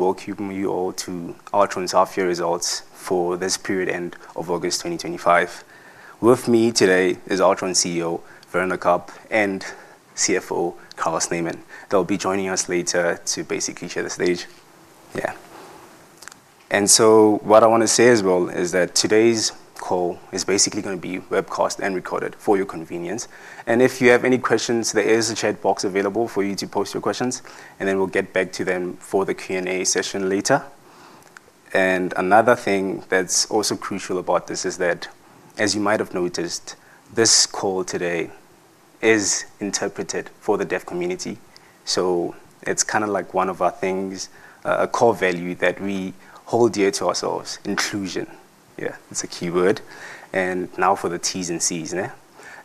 We to Altron's half-year results for this period end of August 2025. With me today is Altron CEO, Werner Kapp, and CFO, Carel Snyman, that will be joining us later to basically share the stage. Yeah. And so what I want to say as well is that today's call is basically going to be webcast and recorded for your convenience. If you have any questions, there is a chat box available for you to post your questions, and then we'll get back to them for the Q&A session later. Another thing that's also crucial about this is that, as you might have noticed, this call today is interpreted for the deaf community. So it's kind of like one of our things, a core value that we hold dear to ourselves: inclusion. Yeah, it's a key word. Now for the Ts and C's,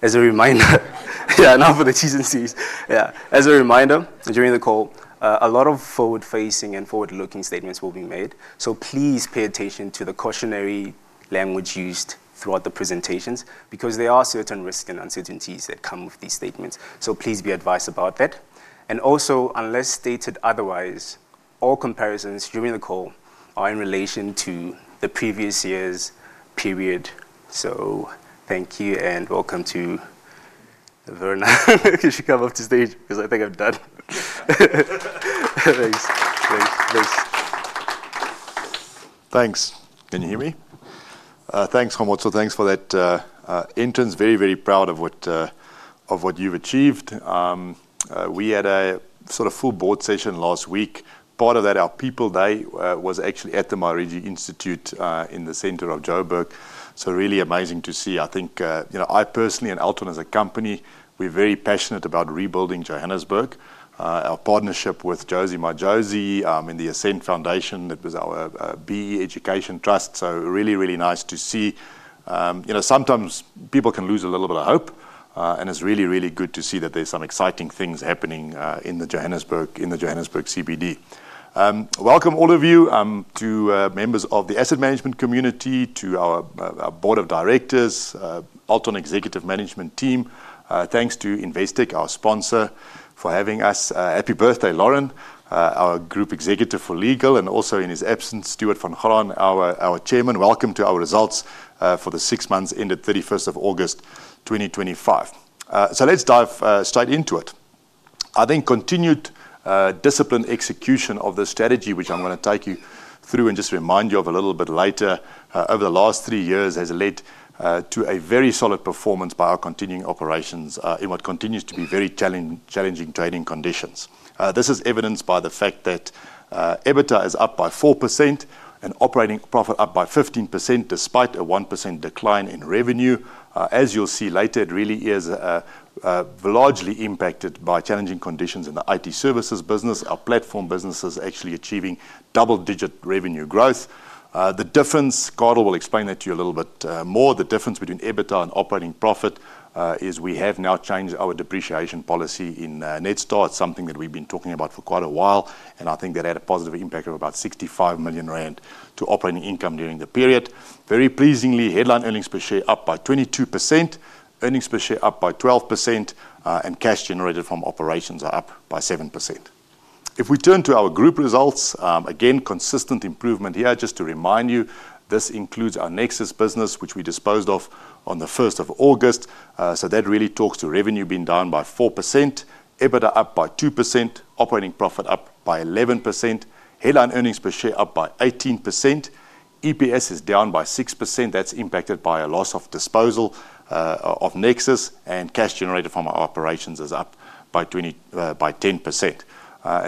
as a reminder—yeah, now for the Ts and C's. Yeah. As a reminder, during the call, a lot of forward-facing and forward-looking statements will be made. Please pay attention to the cautionary language used throughout the presentations because there are certain risks and uncertainties that come with these statements. Please be advised about that. Also, unless stated otherwise, all comparisons during the call are in relation to the previous year's period. Thank you and welcome to Werner because he came off the stage because I think I'm done. Thanks. Thanks. Thanks. Thanks. Can you hear me? Thanks, [Humboldt]. Thanks for that. Interns, very, very proud of what you've achieved. We had a sort of full board session last week. Part of that, our People Day was actually at the MyRegie Institute in the center of Jo'burg. Really amazing to see. I think I personally and Altron as a company, we're very passionate about rebuilding Johannesburg. Our partnership with Josie My Josie and the Ascent Foundation, that was our BE Education Trust. Really, really nice to see. Sometimes people can lose a little bit of hope, and it's really, really good to see that there's some exciting things happening in the Johannesburg CBD. Welcome, all of you, to members of the asset management community, to our board of directors, Altron executive management team. Thanks to Investec, our sponsor, for having us. Happy birthday, Lauren, our Group Executive for Legal, and also in his absence, Stewart van Graan, our Chairman. Welcome to our results for the six months ended 31st of August 2025. Let's dive straight into it. I think continued disciplined execution of the strategy, which I'm going to take you through and just remind you of a little bit later, over the last three years has led to a very solid performance by our continuing operations in what continues to be very challenging trading conditions. This is evidenced by the fact that EBITDA is up by 4% and operating profit up by 15% despite a 1% decline in revenue. As you'll see later, it really is largely impacted by challenging conditions in the IT services business. Our platform business is actually achieving double-digit revenue growth. The difference—Carel will explain that to you a little bit more—the difference between EBITDA and operating profit is we have now changed our depreciation policy in Netstar. It's something that we've been talking about for quite a while, and I think that had a positive impact of about 65 million rand to operating income during the period. Very pleasingly, headline earnings per share up by 22%, earnings per share up by 12%, and cash generated from operations are up by 7%. If we turn to our group results, again, consistent improvement here. Just to remind you, this includes our Nexus business, which we disposed of on the 1st of August. That really talks to revenue being down by 4%, EBITDA up by 2%, operating profit up by 11%, headline earnings per share up by 18%. EPS is down by 6%. That's impacted by a loss of disposal of Nexus, and cash generated from our operations is up by 10%.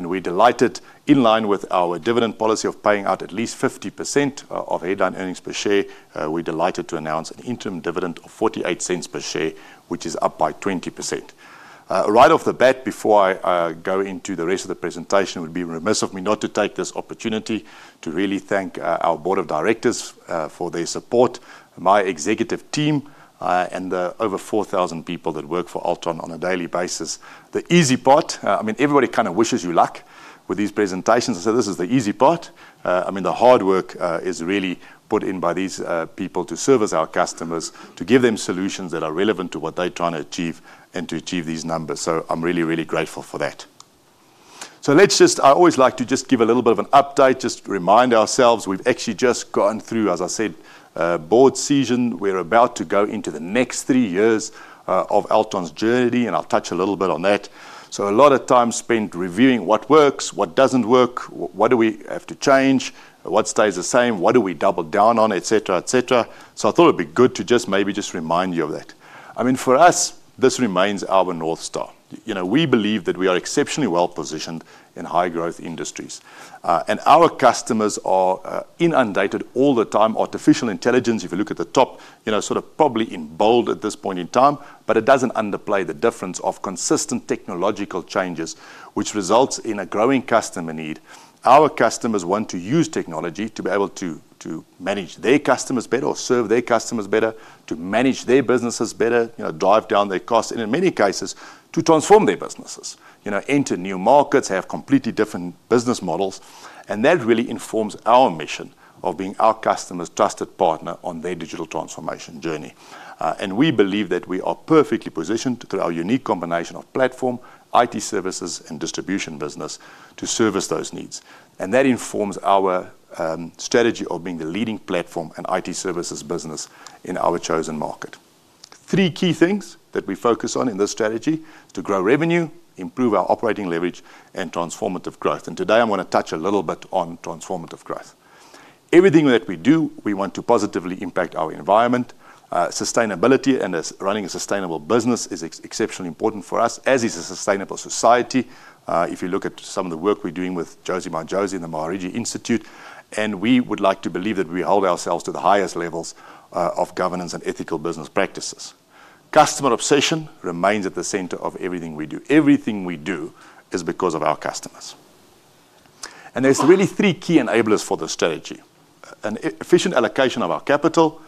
We're delighted, in line with our dividend policy of paying out at least 50% of headline earnings per share, to announce an interim dividend of 0.48 per share, which is up by 20%. Right off the bat, before I go into the rest of the presentation, it would be remiss of me not to take this opportunity to really thank our board of directors for their support, my executive team, and the over 4,000 people that work for Altron on a daily basis. The easy part—I mean, everybody kind of wishes you luck with these presentations. I said, this is the easy part. I mean, the hard work is really put in by these people to service our customers, to give them solutions that are relevant to what they're trying to achieve and to achieve these numbers. So I'm really, really grateful for that. Let's just—I always like to just give a little bit of an update, just remind ourselves. We've actually just gone through, as I said, board season. We're about to go into the next three years of Altron's journey, and I'll touch a little bit on that. A lot of time spent reviewing what works, what doesn't work, what do we have to change, what stays the same, what do we double down on, et cetera, et cetera. I thought it'd be good to just maybe just remind you of that. I mean, for us, this remains our North Star. We believe that we are exceptionally well positioned in high-growth industries, and our customers are inundated all the time. Artificial intelligence, if you look at the top, sort of probably in bold at this point in time, but it doesn't underplay the difference of consistent technological changes, which results in a growing customer need. Our customers want to use technology to be able to manage their customers better or serve their customers better, to manage their businesses better, drive down their costs, and in many cases, to transform their businesses, enter new markets, have completely different business models. That really informs our mission of being our customer's trusted partner on their digital transformation journey. We believe that we are perfectly positioned through our unique combination of platform, IT services, and distribution business to service those needs. That informs our strategy of being the leading platform and IT services business in our chosen market. Three key things that we focus on in this strategy to grow revenue, improve our operating leverage, and transformative growth. Today, I want to touch a little bit on transformative growth. Everything that we do, we want to positively impact our environment. Sustainability and running a sustainable business is exceptionally important for us, as is a sustainable society. If you look at some of the work we're doing with Josie, My Josie and the MyRegie Institute, we would like to believe that we hold ourselves to the highest levels of goWernernce and ethical business practices. Customer obsession remains at the center of everything we do. Everything we do is because of our customers. There are really three key enablers for the strategy: an efficient allocation of our capital,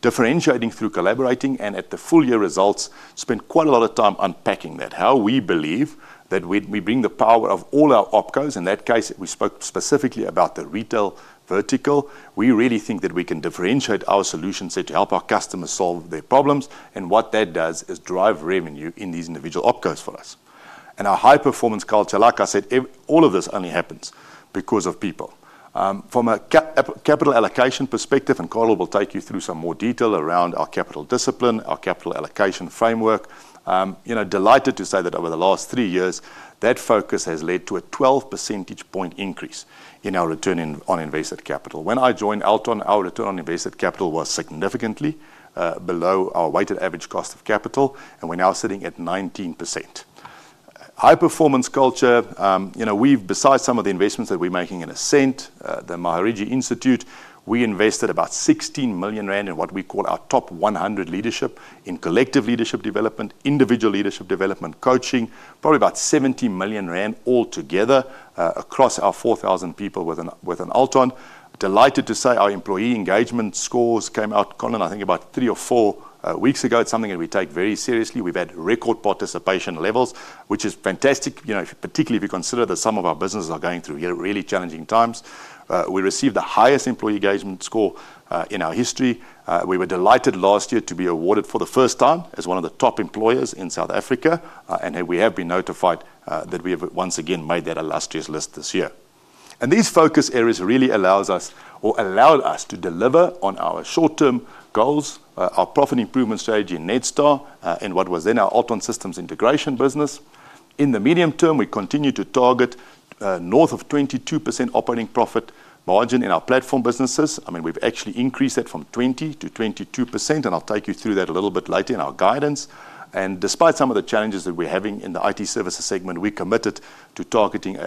differentiating through collaborating, and at the full year results, spent quite a lot of time unpacking that. How we believe that when we bring the power of all our opcos, in that case, we spoke specifically about the retail vertical, we really think that we can differentiate our solutions to help our customers solve their problems. What that does is drive revenue in these individual opcos for us. Our high-performance culture, like I said, all of this only happens because of people. From a capital allocation perspective, and Carel will take you through some more detail around our capital discipline, our capital allocation framework. Delighted to say that over the last three years, that focus has led to a 12 percentage point increase in our return on invested capital. When I joined Altron, our return on invested capital was significantly below our weighted average cost of capital, and we are now sitting at 19%. High-performance culture. Besides some of the investments that we are making in Ascent, the MyRegie Institute, we invested about 16 million rand in what we call our top 100 leadership in collective leadership development, individual leadership development, coaching, probably about 70 million rand altogether across our 4,000 people within Altron. Delighted to say our employee engagement scores came out, Colin, I think about three or four weeks ago. It is something that we take very seriously. We have had record participation levels, which is fantastic, particularly if you consider that some of our businesses are going through really challenging times. We received the highest employee engagement score in our history. We were delighted last year to be awarded for the first time as one of the top employers in South Africa, and we have been notified that we have once again made that illustrious list this year. These focus areas really allow us, or allowed us, to deliver on our short-term goals, our profit improvement strategy in Netstar and what was then our Altron Systems integration business. In the medium term, we continue to target north of 22% operating profit margin in our platform businesses. I mean, we have actually increased that from 20% - 22%, and I will take you through that a little bit later in our guidance. Despite some of the challenges that we are having in the IT services segment, we committed to targeting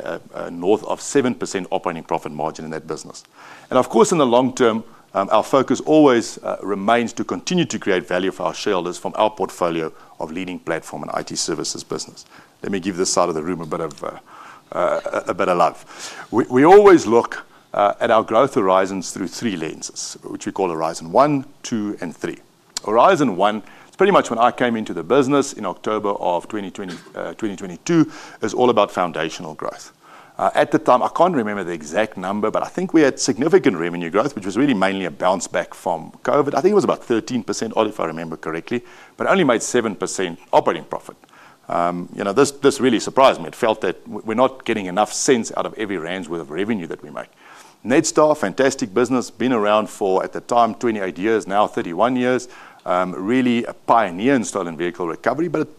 north of 7% operating profit margin in that business. Of course, in the long term, our focus always remains to continue to create value for our shareholders from our portfolio of leading platform and IT services business. Let me give this side of the room a bit of love. We always look at our growth horizons through three lenses, which we call Horizon One, Two, and Three. Horizon One, it is pretty much when I came into the business in October of 2022, is all about foundational growth. At the time, I can't remember the exact number, but I think we had significant revenue growth, which was really mainly a bounce back from COVID. I think it was about 13%, if I remember correctly, but only made 7% operating profit. This really surprised me. It felt that we're not getting enough sense out of every rand's worth of revenue that we make. Netstar, fantastic business, been around for, at the time, 28 years, now 31 years, really a pioneer in stolen vehicle recovery, but it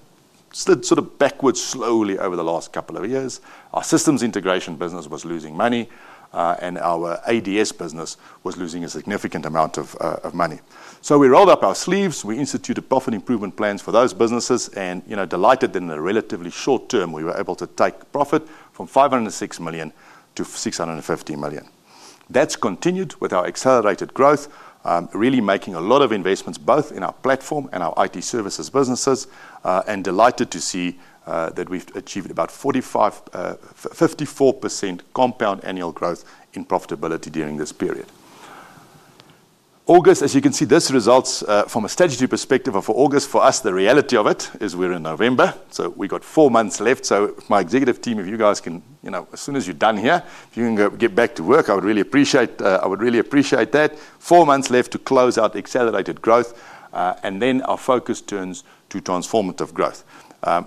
slid sort of backwards slowly over the last couple of years. Our systems integration business was losing money, and our ADS business was losing a significant amount of money. So we rolled up our sleeves. We instituted profit improvement plans for those businesses and delighted that in the relatively short term, we were able to take profit from 506 million - 650 million. That's continued with our accelerated growth, really making a lot of investments both in our platform and our IT services businesses, and delighted to see that we've achieved about 54% compound annual growth in profitability during this period. August, as you can see, this results from a strategy perspective. For August, for us, the reality of it is we're in November, so we've got four months left. So my executive team, if you guys can, as soon as you're done here, if you can get back to work, I would really appreciate that. Four months left to close out accelerated growth, and then our focus turns to transformative growth,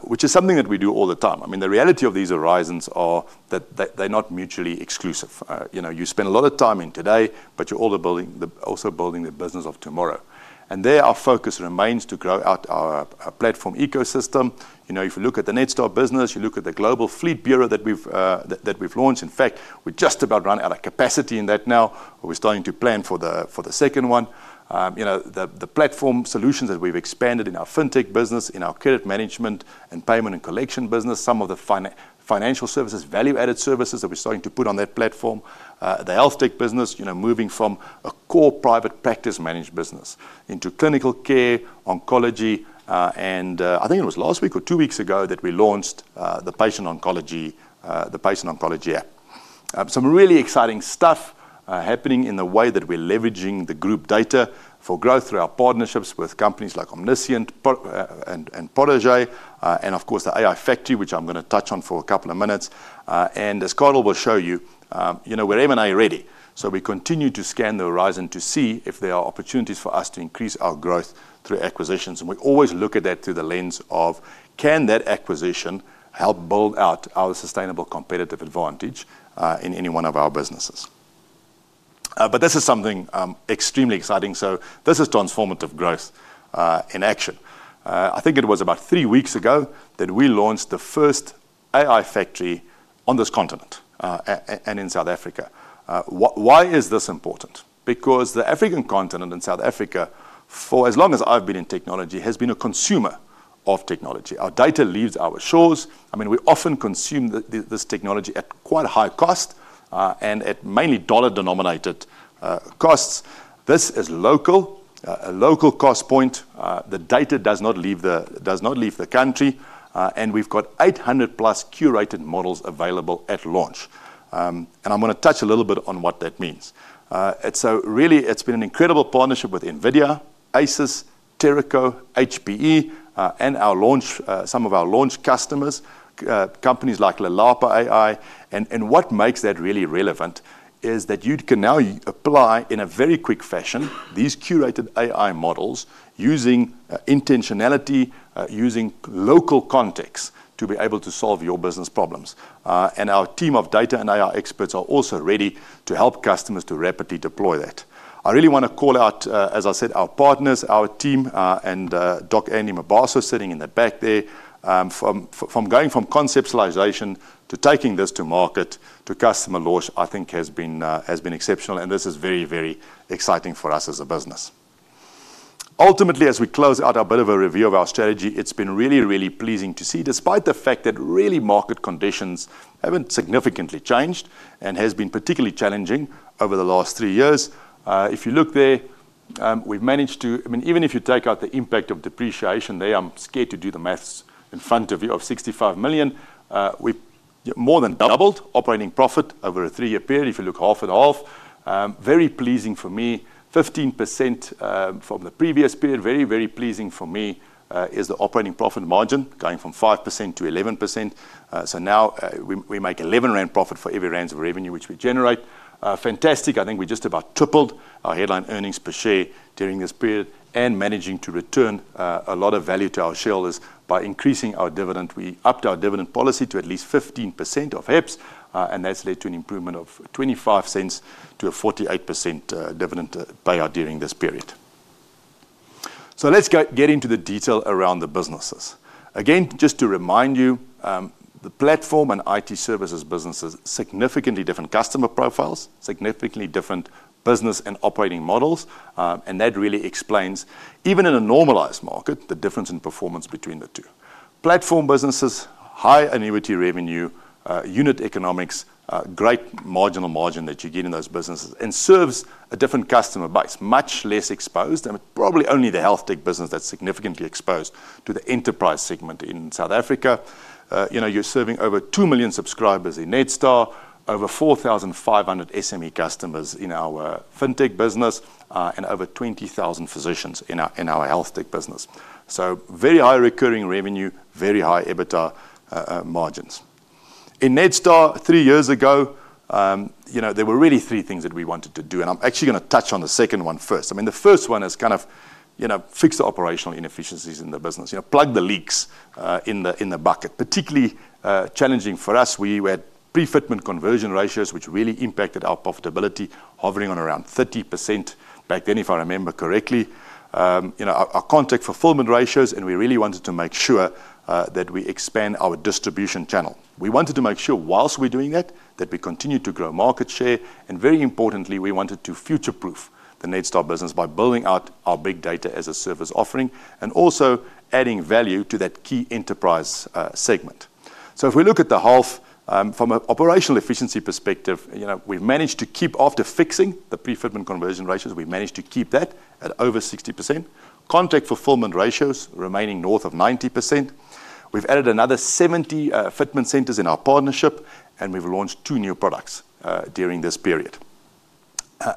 which is something that we do all the time. I mean, the reality of these horizons is that they're not mutually exclusive. You spend a lot of time in today, but you're also building the business of tomorrow. And there, our focus remains to grow out our platform ecosystem. If you look at the Netstar business, you look at the Global Fleet Bureau that we've launched. In fact, we're just about running out of capacity in that now. We're starting to plan for the second one. The platform solutions that we've expanded in our fintech business, in our credit management and payment and collection business, some of the financial services, value-added services that we're starting to put on that platform, the health tech business, moving from a core private practice managed business into clinical care, oncology. And I think it was last week or two weeks ago that we launched the Patient Oncology App. Some really exciting stuff happening in the way that we're leveraging the group data for growth through our partnerships with companies like Omniscient and Portage, and of course, the AI Factory, which I'm going to touch on for a couple of minutes. And as Carel will show you, we're M&A ready. So we continue to scan the horizon to see if there are opportunities for us to increase our growth through acquisitions. We always look at that through the lens of, can that acquisition help build out our sustainable competitive advantage in any one of our businesses? This is something extremely exciting. This is transformative growth in action. I think it was about three weeks ago that we launched the first AI Factory on this continent and in South Africa. Why is this important? Because the African continent and South Africa, for as long as I've been in technology, has been a consumer of technology. Our data leaves our shores. I mean, we often consume this technology at quite high cost and at mainly dollar-denominated costs. This is a local cost point. The data does not leave the country, and we've got 800-plus curated models available at launch. I'm going to touch a little bit on what that means. Really, it's been an incredible partnership with NVIDIA, ASUS, Terraco, HPE, and some of our launch customers, companies like Lalapa AI. What makes that really relevant is that you can now apply in a very quick fashion these curated AI models using intentionality, using local contexts to be able to solve your business problems. Our team of data and AI experts are also ready to help customers to rapidly deploy that. I really want to call out, as I said, our partners, our team, and Doc Annie Mabasso sitting in the back there. From going from conceptualization to taking this to market to customer launch, I think has been exceptional, and this is very, very exciting for us as a business. Ultimately, as we close out a bit of a review of our strategy, it's been really, really pleasing to see, despite the fact that really market conditions haven't significantly changed and have been particularly challenging over the last three years. If you look there, we've managed to, I mean, even if you take out the impact of depreciation there, I'm scared to do the maths in front of you, of 65 million, we've more than doubled operating profit over a three-year period, if you look half and half. Very pleasing for me, 15% from the previous period. Very, very pleasing for me is the operating profit margin going from 5% - 11%. Now we make 0.11 rand profit for every rand of revenue which we generate. Fantastic. I think we just about tripled our headline earnings per share during this period and managing to return a lot of value to our shareholders by increasing our dividend. We upped our dividend policy to at least 15% of HEPS, and that's led to an improvement of 0.25 to a 48% dividend payout during this period. Let's get into the detail around the businesses. Again, just to remind you, the platform and IT services businesses, significantly different customer profiles, significantly different business and operating models, and that really explains, even in a normalized market, the difference in performance between the two. Platform businesses, high annuity revenue, unit economics, great marginal margin that you get in those businesses, and serves a different customer base, much less exposed. It is probably only the health tech business that is significantly exposed to the enterprise segment in South Africa. You are serving over 2 million subscribers in Netstar, over 4,500 SME customers in our fintech business, and over 20,000 physicians in our health tech business. Very high recurring revenue, very high EBITDA margins. In Netstar, three years ago, there were really three things that we wanted to do, and I am actually going to touch on the second one first. I mean, the first one is kind of fix the operational inefficiencies in the business, plug the leaks in the bucket. Particularly challenging for us, we had pre-fitment conversion ratios, which really impacted our profitability, hovering on around 30% back then, if I remember correctly. Our contact fulfillment ratios, and we really wanted to make sure that we expand our distribution channel. We wanted to make sure, whilst we are doing that, that we continue to grow market share. Very importantly, we wanted to future-proof the Netstar business by building out our big data as a service offering and also adding value to that key enterprise segment. If we look at the half, from an operational efficiency perspective, we have managed to keep, after fixing the pre-fitment conversion ratios, we managed to keep that at over 60%. Contact fulfillment ratios remaining north of 90%. We have added another 70 fitment centers in our partnership, and we have launched two new products during this period.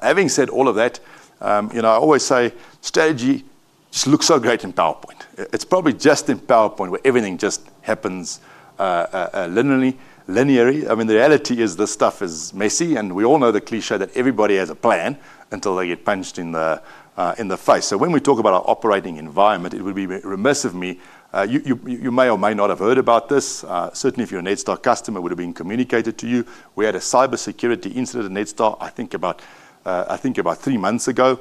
Having said all of that, I always say strategy just looks so great in PowerPoint. It is probably just in PowerPoint where everything just happens linearly. The reality is this stuff is messy, and we all know the cliché that everybody has a plan until they get punched in the face. When we talk about our operating environment, it would be remiss of me. You may or may not have heard about this. Certainly, if you are a Netstar customer, it would have been communicated to you. We had a cybersecurity incident at Netstar, I think about three months ago.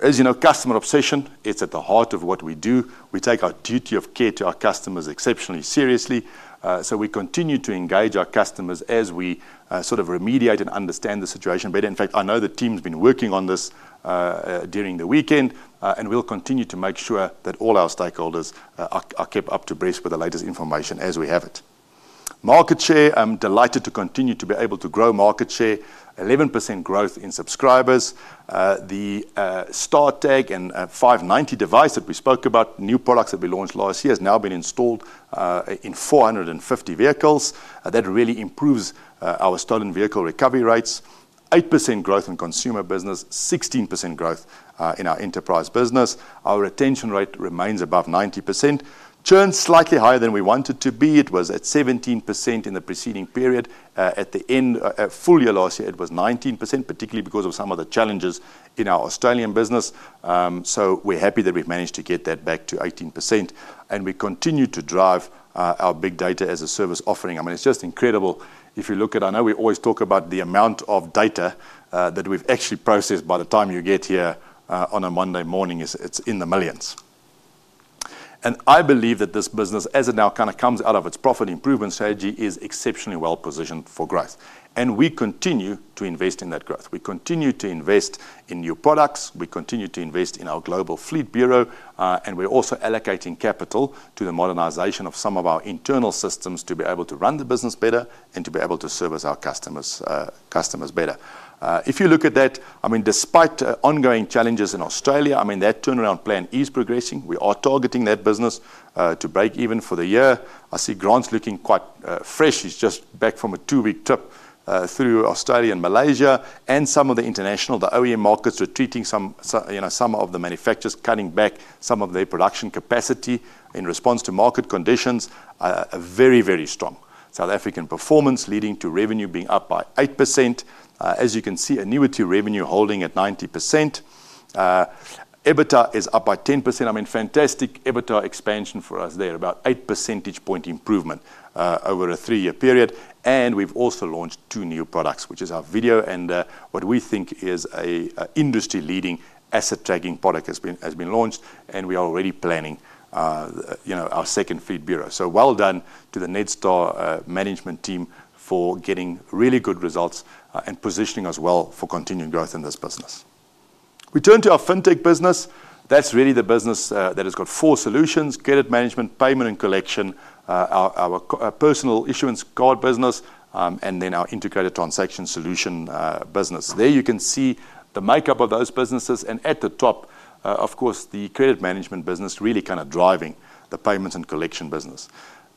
As you know, customer obsession, it is at the heart of what we do. We take our duty of care to our customers exceptionally seriously. We continue to engage our customers as we sort of remediate and understand the situation. In fact, I know the team's been working on this during the weekend, and we will continue to make sure that all our stakeholders are kept up to breath with the latest information as we have it. Market share, I am delighted to continue to be able to grow market share, 11% growth in subscribers. The StarTag 590 device that we spoke about, new products that we launched last year, has now been installed in 450 vehicles. That really improves our stolen vehicle recovery rates. 8% growth in consumer business, 16% growth in our enterprise business. Our retention rate remains above 90%. Churn slightly higher than we wanted to be. It was at 17% in the preceding period. At the end of full year last year, it was 19%, particularly because of some of the challenges in our Australian business. We are happy that we have managed to get that back to 18%, and we continue to drive our big data as a service offering. I mean, it is just incredible. If you look at, I know we always talk about the amount of data that we have actually processed by the time you get here on a Monday morning, it is in the millions. I believe that this business, as it now kind of comes out of its profit improvement strategy, is exceptionally well positioned for growth. We continue to invest in that growth. We continue to invest in new products. We continue to invest in our Global Fleet Bureau, and we are also allocating capital to the modernization of some of our internal systems to be able to run the business better and to be able to service our customers better. If you look at that, I mean, despite ongoing challenges in Australia, that turnaround plan is progressing. We are targeting that business to break even for the year. I see Grant is looking quite fresh. He is just back from a two-week trip through Australia and Malaysia and some of the international, the OEM markets retreating. Some of the manufacturers cutting back some of their production capacity in response to market conditions. Very, very strong. South African performance leading to revenue being up by 8%. As you can see, annuity revenue holding at 90%. EBITDA is up by 10%. I mean, fantastic EBITDA expansion for us there, about 8 percentage point improvement over a three-year period. We have also launched two new products, which is our video and what we think is an industry-leading asset tracking product has been launched, and we are already planning our second fleet bureau. Well done to the Netstar management team for getting really good results and positioning us well for continuing growth in this business. We turn to our fintech business. That is really the business that has got four solutions: credit management, payment and collection, our personal issuance card business, and then our integrated transaction solution business. There you can see the makeup of those businesses. At the top, of course, the credit management business really kind of driving the payments and collection business.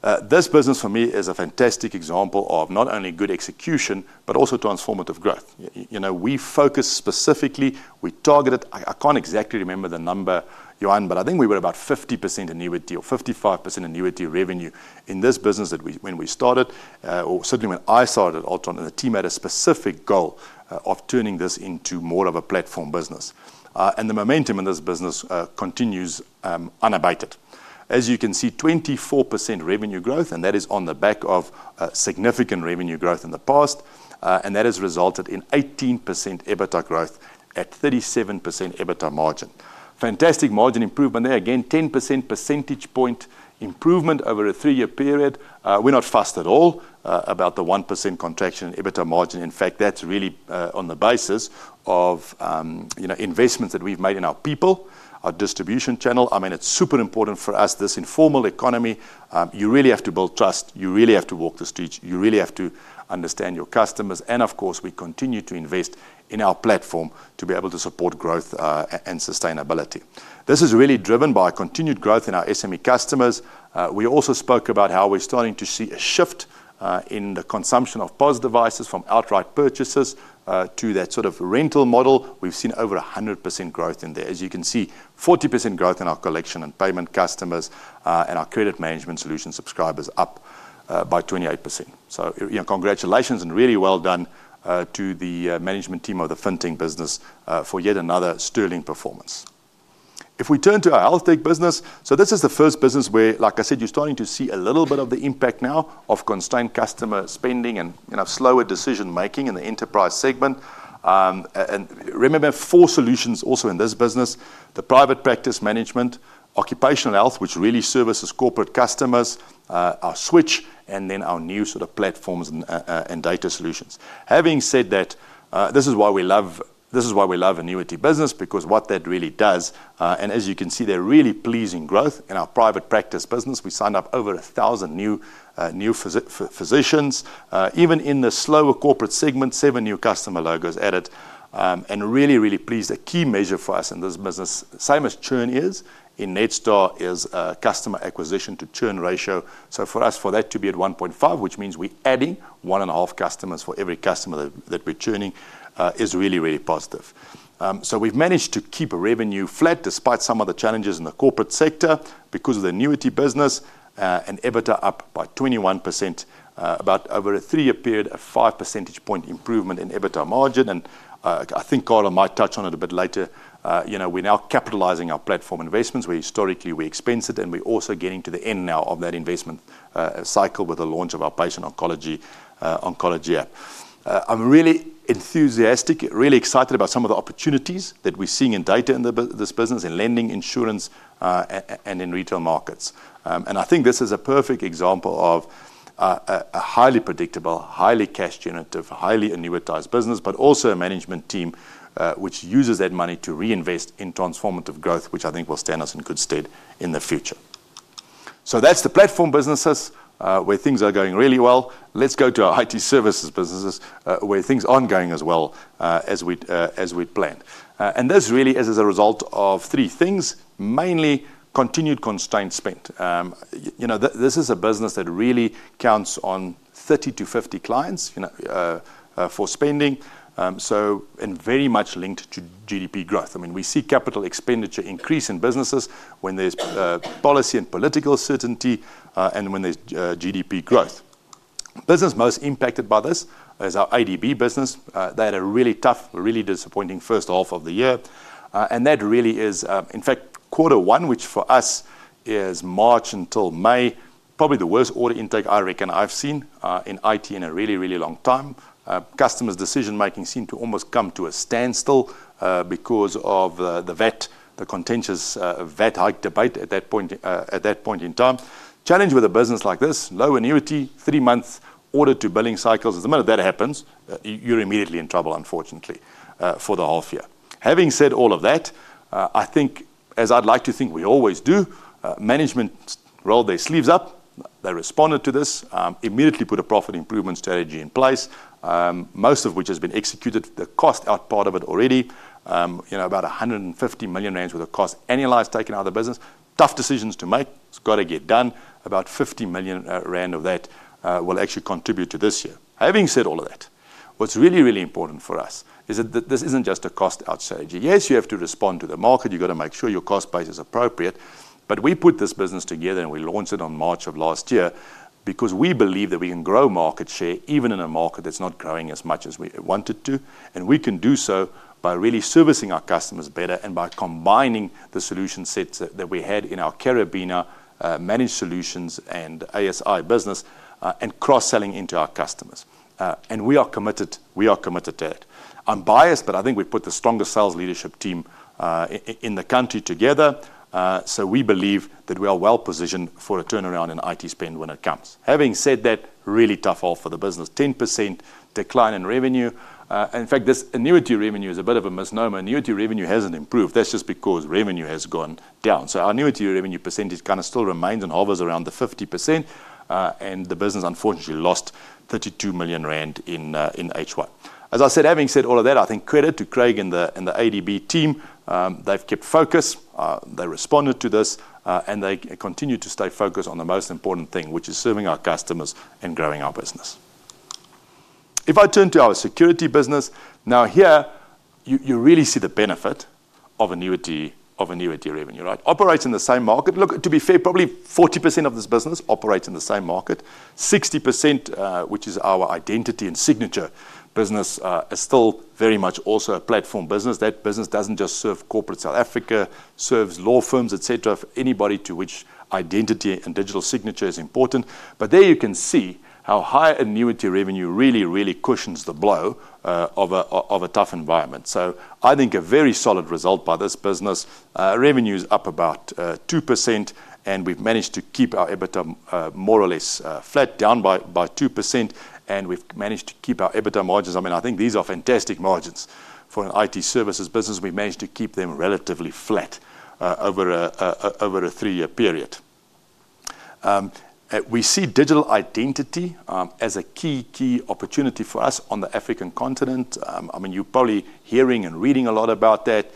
This business, for me, is a fantastic example of not only good execution, but also transformative growth. We focus specifically, we targeted—I cannot exactly remember the number, Yohan, but I think we were about 50% annuity or 55% annuity revenue in this business when we started, or certainly when I started at Altron. The team had a specific goal of turning this into more of a platform business. The momentum in this business continues unabated. As you can see, 24% revenue growth, and that is on the back of significant revenue growth in the past, and that has resulted in 18% EBITDA growth at 37% EBITDA margin. Fantastic margin improvement there. Again, 10 percentage point improvement over a three-year period. We are not fast at all about the 1% contraction in EBITDA margin. In fact, that is really on the basis of investments that we have made in our people, our distribution channel. I mean, it is super important for us, this informal economy. You really have to build trust. You really have to walk the streets. You really have to understand your customers. Of course, we continue to invest in our platform to be able to support growth and sustainability. This is really driven by continued growth in our SME customers. We also spoke about how we are starting to see a shift in the consumption of POS devices from outright purchases to that sort of rental model. We have seen over 100% growth in there. As you can see, 40% growth in our collection and payment customers and our credit management solution subscribers up by 28%. Congratulations and really well done to the management team of the FinTech business for yet another sterling performance. If we turn to our HealthTech business, this is the first business where, like I said, you are starting to see a little bit of the impact now of constrained customer spending and slower decision-making in the enterprise segment. Remember, four solutions also in this business: the private practice management, occupational health, which really services corporate customers, our switch, and then our new sort of platforms and data solutions. Having said that, this is why we love annuity business, because what that really does, and as you can see, there is really pleasing growth in our private practice business. We signed up over 1,000 new physicians. Even in the slower corporate segment, seven new customer logos added, and really, really pleased. A key measure for us in this business, same as churn is in Netstar, is customer acquisition to churn ratio. For us, for that to be at 1.5, which means we are adding one and a half customers for every customer that we are churning, is really, really positive. We have managed to keep revenue flat despite some of the challenges in the corporate sector because of the annuity business and EBITDA up by 21%, about over a three-year period, a 5 percentage point improvement in EBITDA margin. I think Carel might touch on it a bit later. We are now capitalizing our platform investments where historically we expensed, and we are also getting to the end now of that investment cycle with the launch of our Patient Oncology App. I am really enthusiastic, really excited about some of the opportunities that we are seeing in data in this business, in lending, insurance, and in retail markets. I think this is a perfect example of. A highly predictable, highly cash-generative, highly annuitized business, but also a management team which uses that money to reinvest in transformative growth, which I think will stand us in good stead in the future. That is the platform businesses where things are going really well. Let's go to our IT services businesses where things aren't going as well as we'd planned. This really is as a result of three things, mainly continued constrained spend. This is a business that really counts on 30-50 clients for spending and very much linked to GDP growth. I mean, we see capital expenditure increase in businesses when there's policy and political certainty and when there's GDP growth. The business most impacted by this is our ADB. They had a really tough, really disappointing first half of the year. That really is, in fact, quarter one, which for us is March until May, probably the worst order intake I reckon I've seen in IT in a really, really long time. Customers' decision-making seemed to almost come to a standstill because of the VAT, the contentious VAT hike debate at that point in time. The challenge with a business like this, low annuity, three-month order to billing cycles. The minute that happens, you're immediately in trouble, unfortunately, for the whole year. Having said all of that, I think, as I'd like to think we always do, management rolled their sleeves up. They responded to this, immediately put a profit improvement strategy in place, most of which has been executed. The cost out part of it already, about 150 million rand with a cost annualized taken out of the business. Tough decisions to make. It's got to get done. About 50 million rand of that will actually contribute to this year. Having said all of that, what's really, really important for us is that this isn't just a cost out strategy. Yes, you have to respond to the market. You've got to make sure your cost base is appropriate. We put this business together and we launched it in March of last year because we believe that we can grow market share even in a market that's not growing as much as we wanted to. We can do so by really servicing our customers better and by combining the solution sets that we had in our Caribina managed solutions and ASI business and cross-selling into our customers. We are committed. We are committed to it. I'm biased, but I think we put the strongest sales leadership team in the country together. We believe that we are well positioned for a turnaround in IT spend when it comes. Having said that, really tough half for the business, 10% decline in revenue. In fact, this annuity revenue is a bit of a misnomer. Annuity revenue hasn't improved. That's just because revenue has gone down. Our annuity revenue percentage kind of still remains and hovers around the 50%. The business, unfortunately, lost 32 million rand in H1. As I said, having said all of that, I think credit to Craig and the ADB team. They have kept focus. They responded to this, and they continue to stay focused on the most important thing, which is serving our customers and growing our business. If I turn to our security business, now here you really see the benefit of annuity revenue, right? Operates in the same market. Look, to be fair, probably 40% of this business operates in the same market. Sixty percent, which is our identity and signature business, is still very much also a platform business. That business does not just serve corporate South Africa, serves law firms, etc., for anybody to which identity and digital signature is important. There you can see how high annuity revenue really, really cushions the blow of a tough environment. I think a very solid result by this business. Revenue is up about 2%, and we have managed to keep our EBITDA more or less flat, down by 2%, and we have managed to keep our EBITDA margins. I think these are fantastic margins for an IT services business. We have managed to keep them relatively flat over a three-year period. We see digital identity as a key, key opportunity for us on the African continent. I mean, you are probably hearing and reading a lot about that.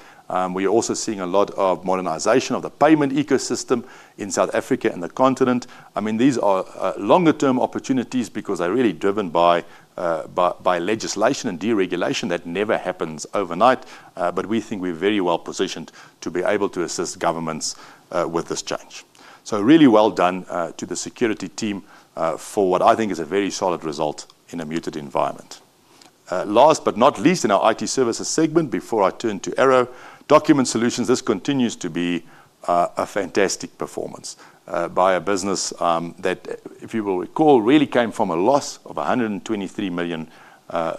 We are also seeing a lot of modernization of the payment ecosystem in South Africa and the continent. These are longer-term opportunities because they are really driven by legislation and deregulation that never happens overnight. We think we are very well positioned to be able to assist governments with this change. Really well done to the security team for what I think is a very solid result in a muted environment. Last but not least in our IT services segment, before I turn to Arrow Document Solutions, this continues to be a fantastic performance by a business that, if you will recall, really came from a loss of 123 million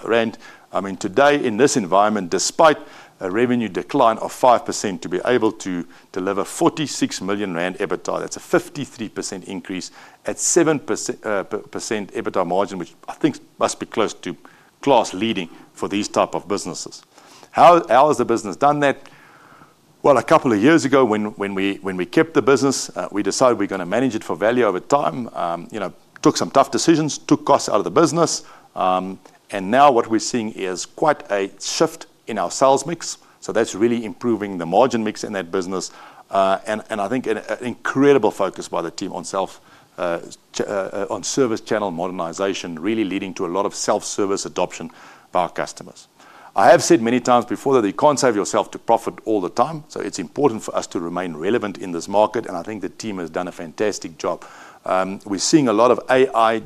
rand. I mean, today, in this environment, despite a revenue decline of 5%, to be able to deliver 46 million rand EBITDA, that is a 53% increase at 7% EBITDA margin, which I think must be close to class leading for these types of businesses. How has the business done that? A couple of years ago, when we kept the business, we decided we are going to manage it for value over time. Took some tough decisions, took costs out of the business. Now what we are seeing is quite a shift in our sales mix. That is really improving the margin mix in that business. I think an incredible focus by the team on service channel modernization, really leading to a lot of self-service adoption by our customers. I have said many times before that you cannot save yourself to profit all the time. So it's important for us to remain relevant in this market. I think the team has done a fantastic job. We're seeing a lot of AI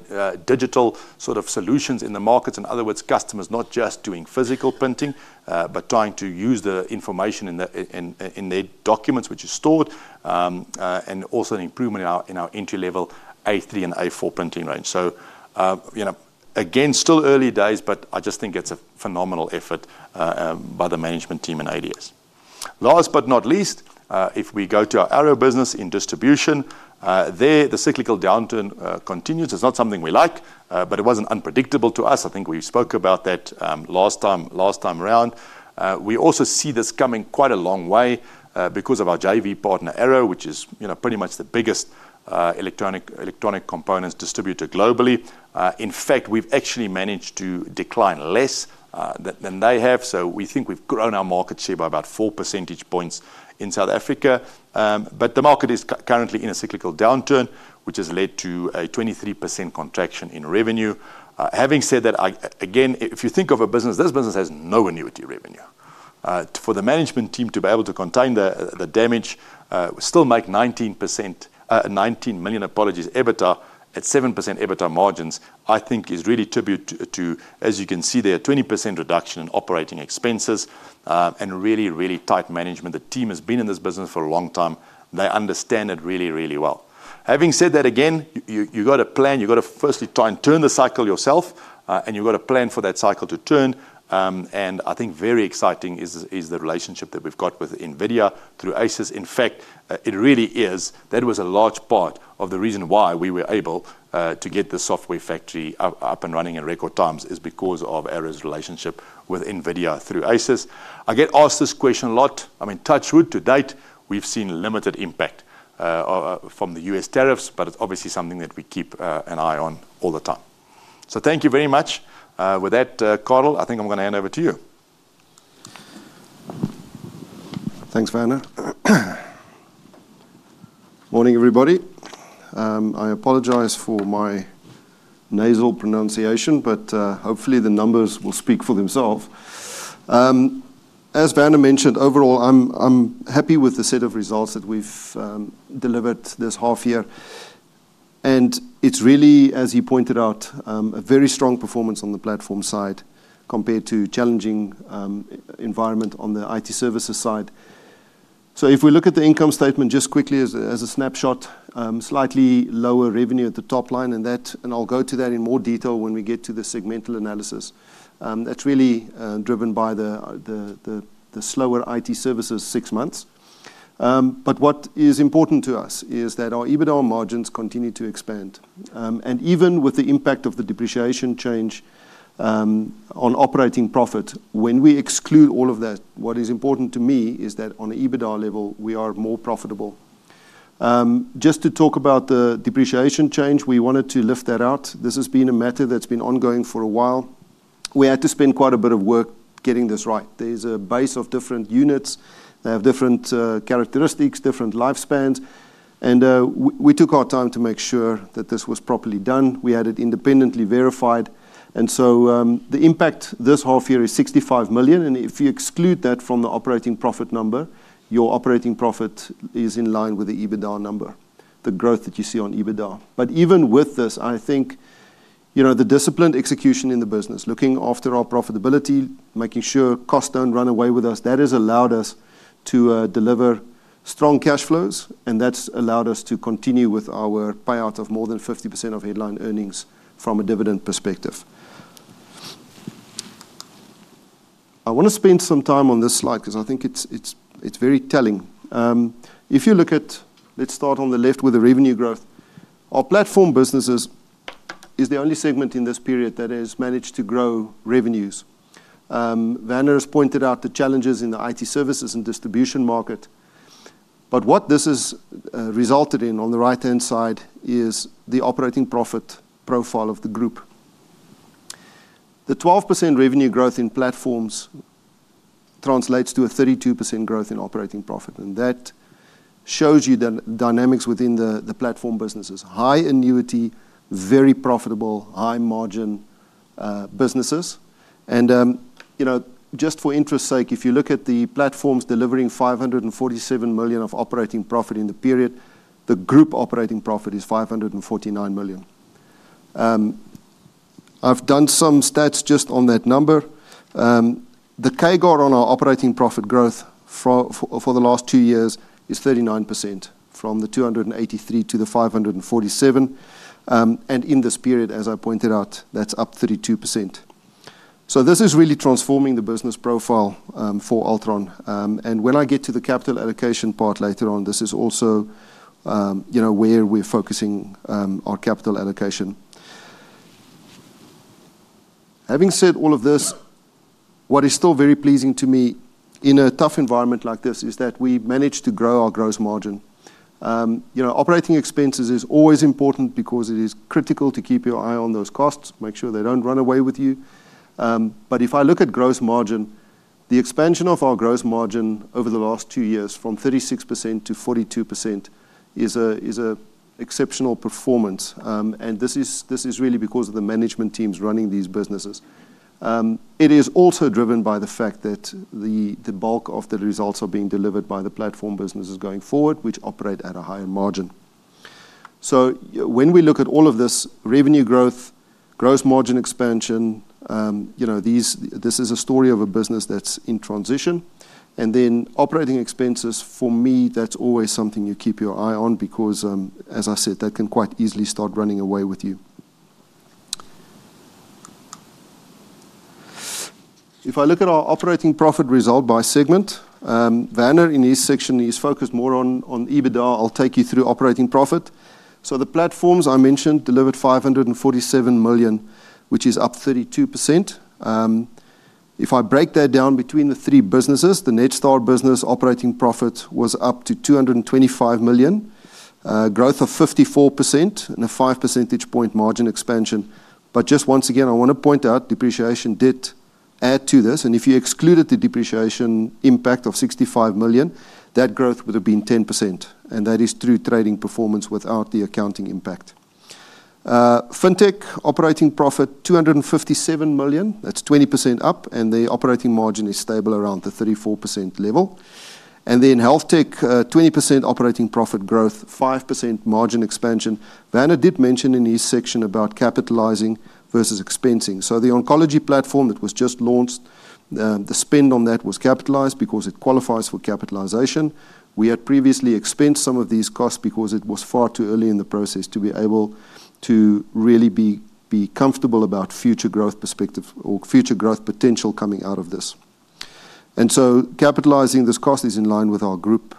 digital sort of solutions in the markets. In other words, customers not just doing physical printing, but trying to use the information in their documents, which is stored. Also an improvement in our entry-level A3 and A4 printing range. Again, still early days, but I just think it's a phenomenal effort by the management team and ADS. Last but not least, if we go to our Arrow business in distribution. There, the cyclical downturn continues. It's not something we like, but it wasn't unpredictable to us. I think we spoke about that last time around. We also see this coming quite a long way because of our JV partner, Arrow, which is pretty much the biggest electronic components distributor globally. In fact, we've actually managed to decline less than they have. We think we've grown our market share by about 4 percentage points in South Africa. The market is currently in a cyclical downturn, which has led to a 23% contraction in revenue. Having said that, again, if you think of a business, this business has no annuity revenue. For the management team to be able to contain the damage, we still make 19 million, apologies, EBITDA at 7% EBITDA margins, I think is really tribute to, as you can see there, 20% reduction in operating expenses and really, really tight management. The team has been in this business for a long time. They understand it really, really well. Having said that, again, you've got a plan. You've got to firstly try and turn the cycle yourself, and you've got a plan for that cycle to turn. I think very exciting is the relationship that we've got with NVIDIA through ASUS. In fact, it really is. That was a large part of the reason why we were able to get the software factory up and running in record times is because of Arrow's relationship with NVIDIA through ASUS. I get asked this question a lot. I mean, touch wood, to date, we've seen limited impact from the US tariffs, but it's obviously something that we keep an eye on all the time. Thank you very much. With that, Carel, I think I'm going to hand over to you. Thanks, Werner. Morning, everybody. I apologize for my nasal pronunciation, but hopefully the numbers will speak for themselves. As Werner mentioned, overall, I'm happy with the set of results that we've delivered this half year. It's really, as he pointed out, a very strong performance on the platform side compared to a challenging environment on the IT services side. If we look at the income statement just quickly as a snapshot, slightly lower revenue at the top line, and I'll go to that in more detail when we get to the segmental analysis. That's really driven by the slower IT services six months. What is important to us is that our EBITDA margins continue to expand. Even with the impact of the depreciation change on operating profit, when we exclude all of that, what is important to me is that on an EBITDA level, we are more profitable. Just to talk about the depreciation change, we wanted to lift that out. This has been a matter that's been ongoing for a while. We had to spend quite a bit of work getting this right. There's a base of different units. They have different characteristics, different lifespans. We took our time to make sure that this was properly done. We had it independently verified. The impact this half year is 65 million. If you exclude that from the operating profit number, your operating profit is in line with the EBITDA number, the growth that you see on EBITDA. Even with this, I think the disciplined execution in the business, looking after our profitability, making sure costs don't run away with us, that has allowed us to deliver strong cash flows. That's allowed us to continue with our payout of more than 50% of headline earnings from a dividend perspective. I want to spend some time on this slide because I think it's very telling. If you look at, let's start on the left with the revenue growth. Our platform businesses is the only segment in this period that has managed to grow revenues. Werner has pointed out the challenges in the IT services and distribution market. What this has resulted in on the right-hand side is the operating profit profile of the group. The 12% revenue growth in platforms translates to a 32% growth in operating profit. That shows you the dynamics within the platform businesses. High annuity, very profitable, high margin businesses. Just for interest's sake, if you look at the platforms delivering 547 million of operating profit in the period, the group operating profit is 549 million. I've done some stats just on that number. The CAGR on our operating profit growth for the last two years is 39% from the 283 million to the 547 million. In this period, as I pointed out, that's up 32%. This is really transforming the business profile for Altron. When I get to the capital allocation part later on, this is also where we're focusing our capital allocation. Having said all of this, what is still very pleasing to me in a tough environment like this is that we managed to grow our gross margin. Operating expenses is always important because it is critical to keep your eye on those costs, make sure they don't run away with you. If I look at gross margin, the expansion of our gross margin over the last two years from 36% - 42% is an exceptional performance. This is really because of the management teams running these businesses. It is also driven by the fact that the bulk of the results are being delivered by the platform businesses going forward, which operate at a higher margin. When we look at all of this, revenue growth, gross margin expansion. This is a story of a business that is in transition. Operating expenses, for me, that is always something you keep your eye on because, as I said, that can quite easily start running away with you. If I look at our operating profit result by segment. Werner, in this section, is focused more on EBITDA. I will take you through operating profit. The platforms I mentioned delivered 547 million, which is up 32%. If I break that down between the three businesses, the Netstar business operating profit was up to 225 million, growth of 54%, and a 5 percentage point margin expansion. Just once again, I want to point out depreciation did add to this. If you excluded the depreciation impact of 65 million, that growth would have been 10%. That is through trading performance without the accounting impact. FinTech operating profit, 257 million. That is 20% up. The operating margin is stable around the 34% level. HealthTech, 20% operating profit growth, 5% margin expansion. Werner did mention in her section about capitalizing versus expensing. The oncology platform that was just launched, the spend on that was capitalized because it qualifies for capitalization. We had previously expensed some of these costs because it was far too early in the process to be able to really be comfortable about future growth perspective or future growth potential coming out of this. Capitalizing this cost is in line with our group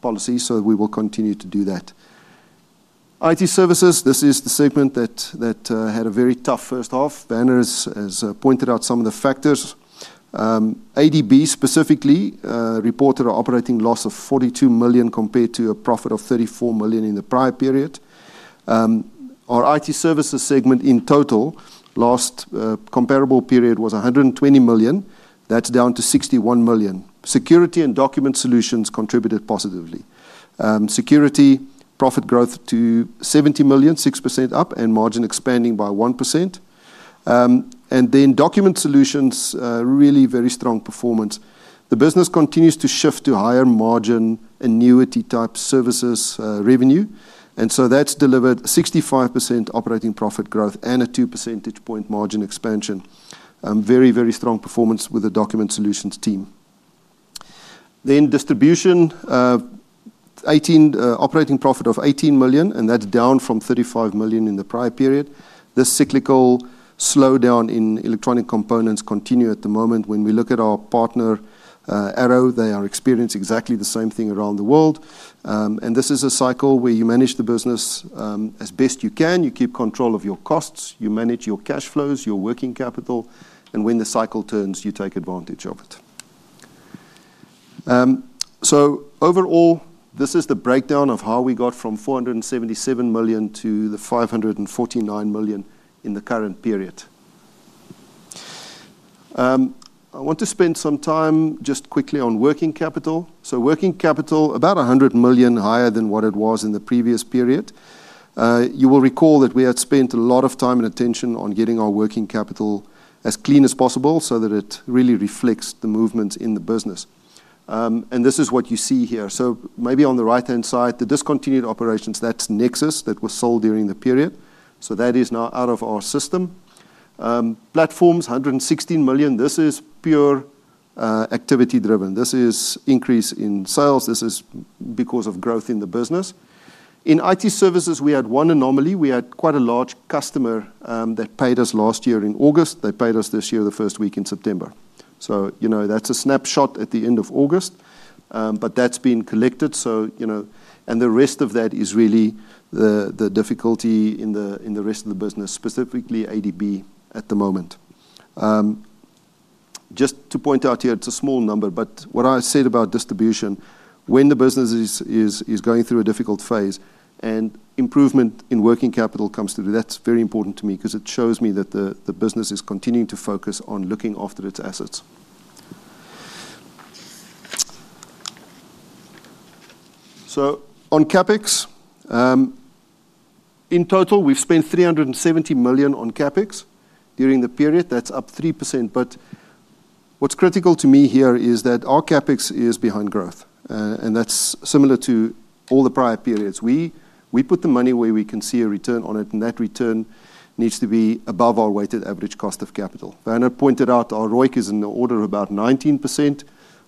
policies, so we will continue to do that. IT services, this is the segment that had a very tough first half. Werner has pointed out some of the factors. ADB specifically reported an operating loss of 42 million compared to a profit of 34 million in the prior period. Our IT services segment in total, last comparable period, was 120 million. That is down to 61 million. Security and document solutions contributed positively. Security profit growth to 70 million, 6% up, and margin expanding by 1%. Document solutions, really very strong performance. The business continues to shift to higher margin annuity type services revenue. That has delivered 65% operating profit growth and a 2 percentage point margin expansion. Very, very strong performance with the document solutions team. Distribution. Operating profit of 18 million, and that is down from 35 million in the prior period. This cyclical slowdown in electronic components continues at the moment. When we look at our partner, Arrow, they are experiencing exactly the same thing around the world. This is a cycle where you manage the business as best you can. You keep control of your costs. You manage your cash flows, your working capital. When the cycle turns, you take advantage of it. Overall, this is the breakdown of how we got from 477 million - 549 million in the current period. I want to spend some time just quickly on working capital. Working capital, about 100 million higher than what it was in the previous period. You will recall that we had spent a lot of time and attention on getting our working capital as clean as possible so that it really reflects the movements in the business. This is what you see here. Maybe on the right-hand side, the discontinued operations, that's Nexus that was sold during the period. That is now out of our system. Platforms, 116 million. This is pure activity driven. This is increase in sales. This is because of growth in the business. In IT services, we had one anomaly. We had quite a large customer that paid us last year in August. They paid us this year the first week in September. That's a snapshot at the end of August. That's been collected. The rest of that is really the difficulty in the rest of the business, specifically ADB at the moment. Just to point out here, it's a small number, but what I said about distribution, when the business is going through a difficult phase and improvement in working capital comes through, that's very important to me because it shows me that the business is continuing to focus on looking after its assets. On CapEx, in total, we've spent 370 million on CapEx during the period. That's up 3%. What's critical to me here is that our CapEx is behind growth. That's similar to all the prior periods. We put the money where we can see a return on it, and that return needs to be above our weighted average cost of capital. Vernon pointed out our ROIC is in the order of about 19%.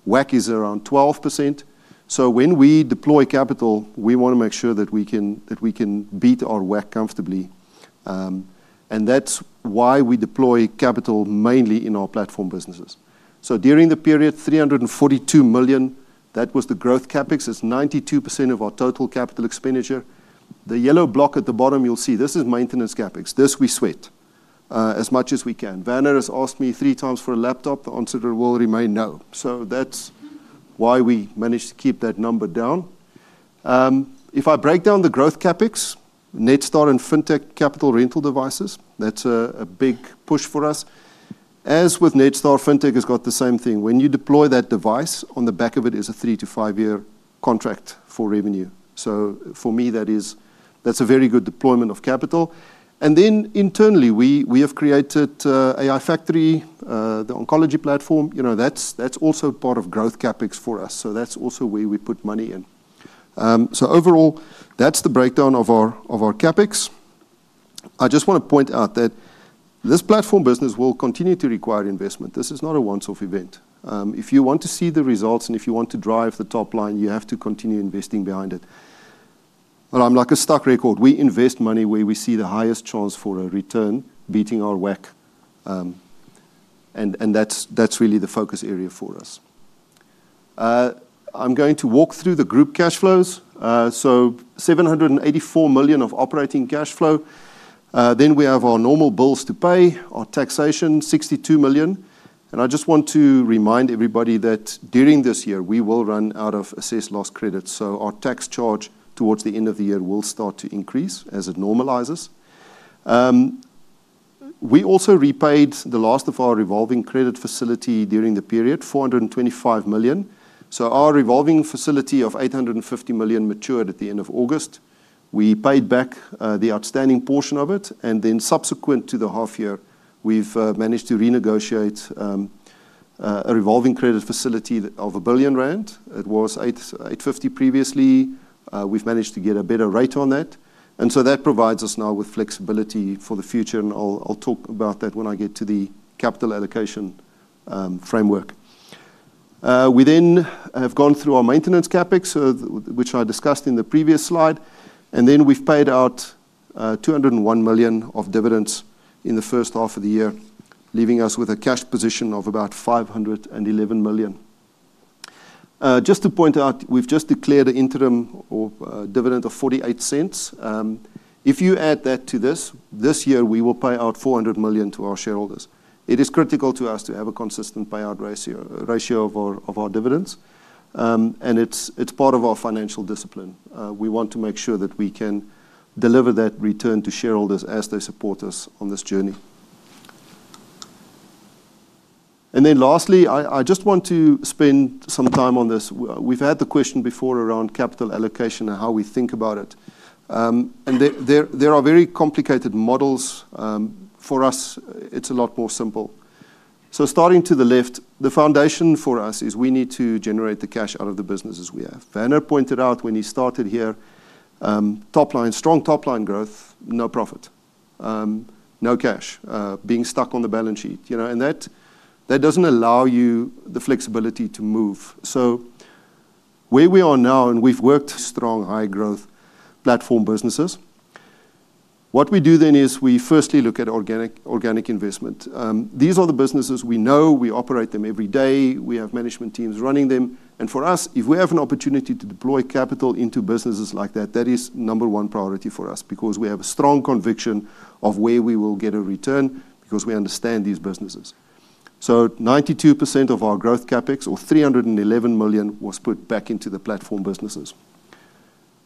WACC is around 12%. When we deploy capital, we want to make sure that we can beat our WACC comfortably. That's why we deploy capital mainly in our platform businesses. During the period, 342 million, that was the growth CapEx. It's 92% of our total capital expenditure. The yellow block at the bottom, you'll see this is maintenance CapEx. This we sweat as much as we can. Vernon has asked me 3x for a laptop. The answer will remain no. That's why we managed to keep that number down. If I break down the growth CapEx, Netstar and FinTech capital rental devices, that's a big push for us. As with Netstar, FinTech has got the same thing. When you deploy that device, on the back of it is a three- to five-year contract for revenue. For me, that's a very good deployment of capital. Then internally, we have created AI Factory, the oncology platform. That's also part of growth CapEx for us. That's also where we put money in. Overall, that's the breakdown of our CapEx. I just want to point out that this platform business will continue to require investment. This is not a one-off event. If you want to see the results and if you want to drive the top line, you have to continue investing behind it. I'm like a stuck record. We invest money where we see the highest chance for a return beating our WACC. That's really the focus area for us. I'm going to walk through the group cash flows. 784 million of operating cash flow. Then we have our normal bills to pay, our taxation, 62 million. I just want to remind everybody that during this year, we will run out of assessed loss credits. Our tax charge towards the end of the year will start to increase as it normalizes. We also repaid the last of our revolving credit facility during the period, 425 million. Our revolving facility of 850 million matured at the end of August. We paid back the outstanding portion of it. Subsequent to the half year, we've managed to renegotiate a revolving credit facility of 1 billion rand. It was 850 million previously. We've managed to get a better rate on that. That provides us now with flexibility for the future. I'll talk about that when I get to the capital allocation framework. We then have gone through our maintenance CapEx, which I discussed in the previous slide. We've paid out 201 million of dividends in the first half of the year, leaving us with a cash position of about 511 million. Just to point out, we've just declared an interim dividend of 0.48. If you add that to this, this year, we will pay out 400 million to our shareholders. It is critical to us to have a consistent payout ratio of our dividends. It's part of our financial discipline. We want to make sure that we can deliver that return to shareholders as they support us on this journey. Lastly, I just want to spend some time on this. We've had the question before around capital allocation and how we think about it. There are very complicated models. For us, it's a lot more simple. Starting to the left, the foundation for us is we need to generate the cash out of the businesses we have. Werner pointed out when he started here. Strong top line growth, no profit. No cash, being stuck on the balance sheet. That doesn't allow you the flexibility to move. Where we are now, and we've worked strong, high-growth platform businesses. What we do then is we firstly look at organic investment. These are the businesses we know. We operate them every day. We have management teams running them. For us, if we have an opportunity to deploy capital into businesses like that, that is number one priority for us because we have a strong conviction of where we will get a return because we understand these businesses. 92% of our growth CapEx, or 311 million, was put back into the platform businesses.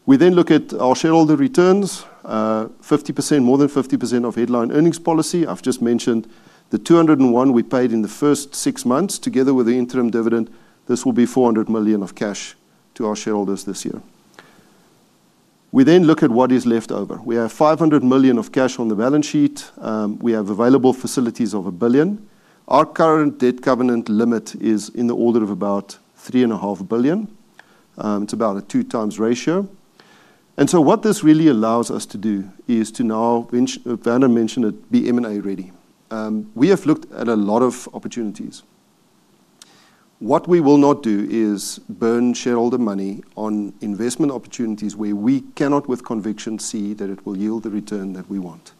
We then look at our shareholder returns. 50%, more than 50% of headline earnings policy. I have just mentioned the 201 million we paid in the first six months together with the interim dividend. This will be 400 million of cash to our shareholders this year. We then look at what is left over. We have 500 million of cash on the balance sheet. We have available facilities of 1 billion. Our current debt covenant limit is in the order of about 3.5 billion. It is about a 2x ratio. What this really allows us to do is to now, Werner mentioned it, be M&A ready. We have looked at a lot of opportunities. What we will not do is burn shareholder money on investment opportunities where we cannot with conviction see that it will yield the return that we want.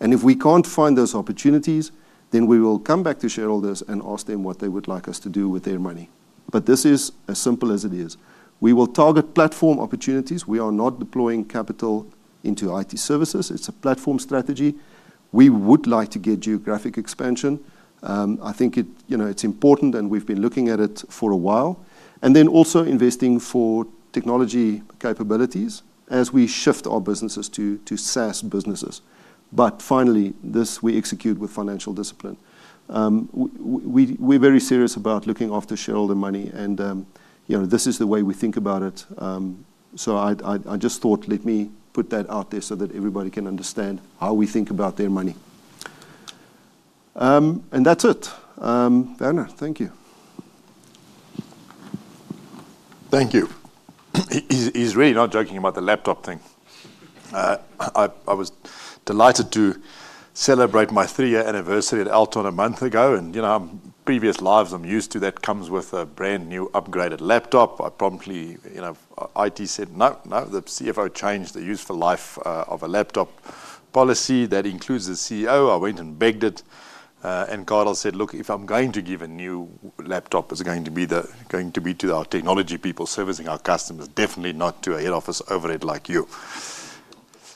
If we cannot find those opportunities, then we will come back to shareholders and ask them what they would like us to do with their money. This is as simple as it is. We will target platform opportunities. We are not deploying capital into IT services. It is a platform strategy. We would like to get geographic expansion. I think it is important, and we have been looking at it for a while. Also investing for technology capabilities as we shift our businesses to SaaS businesses. Finally, this we execute with financial discipline. We are very serious about looking after shareholder money, and this is the way we think about it. I just thought, let me put that out there so that everybody can understand how we think about their money. That is it. Werner, thank you. Thank you. He is really not joking about the laptop thing. I was delighted to celebrate my three-year anniversary at Altron a month ago. In our previous lives, I am used to that comes with a brand new upgraded laptop. I promptly, IT said, "No, no." The CFO changed the useful life of a laptop policy. That includes the CEO. I went and begged IT. Carel said, "Look, if I am going to give a new laptop, it is going to be to our technology people servicing our customers, definitely not to a head office overhead like you."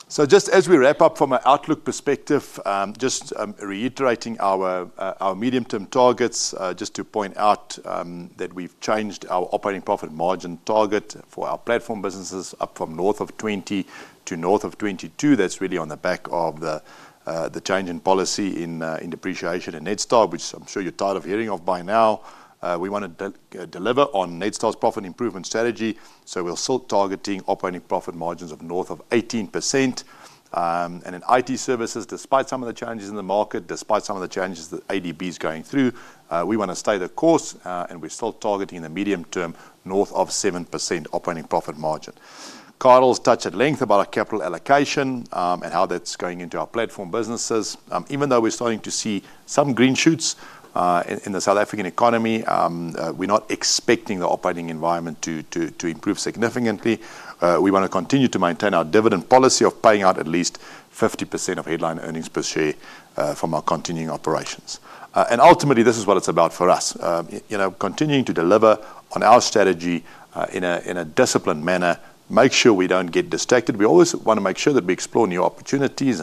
Just as we wrap up from an outlook perspective, just reiterating our medium-term targets, just to point out that we have changed our operating profit margin target for our platform businesses up from north of 20 to north of 22. That's really on the back of the change in policy in depreciation in Netstar, which I'm sure you're tired of hearing of by now. We want to deliver on Netstar's profit improvement strategy. We are still targeting operating profit margins of north of 18%. In IT services, despite some of the challenges in the market, despite some of the challenges that ADB is going through, we want to stay the course. We are still targeting in the medium term north of 7% operating profit margin. Carel's touched at length about our capital allocation and how that's going into our platform businesses. Even though we're starting to see some green shoots in the South African economy, we're not expecting the operating environment to improve significantly. We want to continue to maintain our dividend policy of paying out at least 50% of headline earnings per share from our continuing operations. Ultimately, this is what it's about for us. Continuing to deliver on our strategy in a disciplined manner, make sure we don't get distracted. We always want to make sure that we explore new opportunities.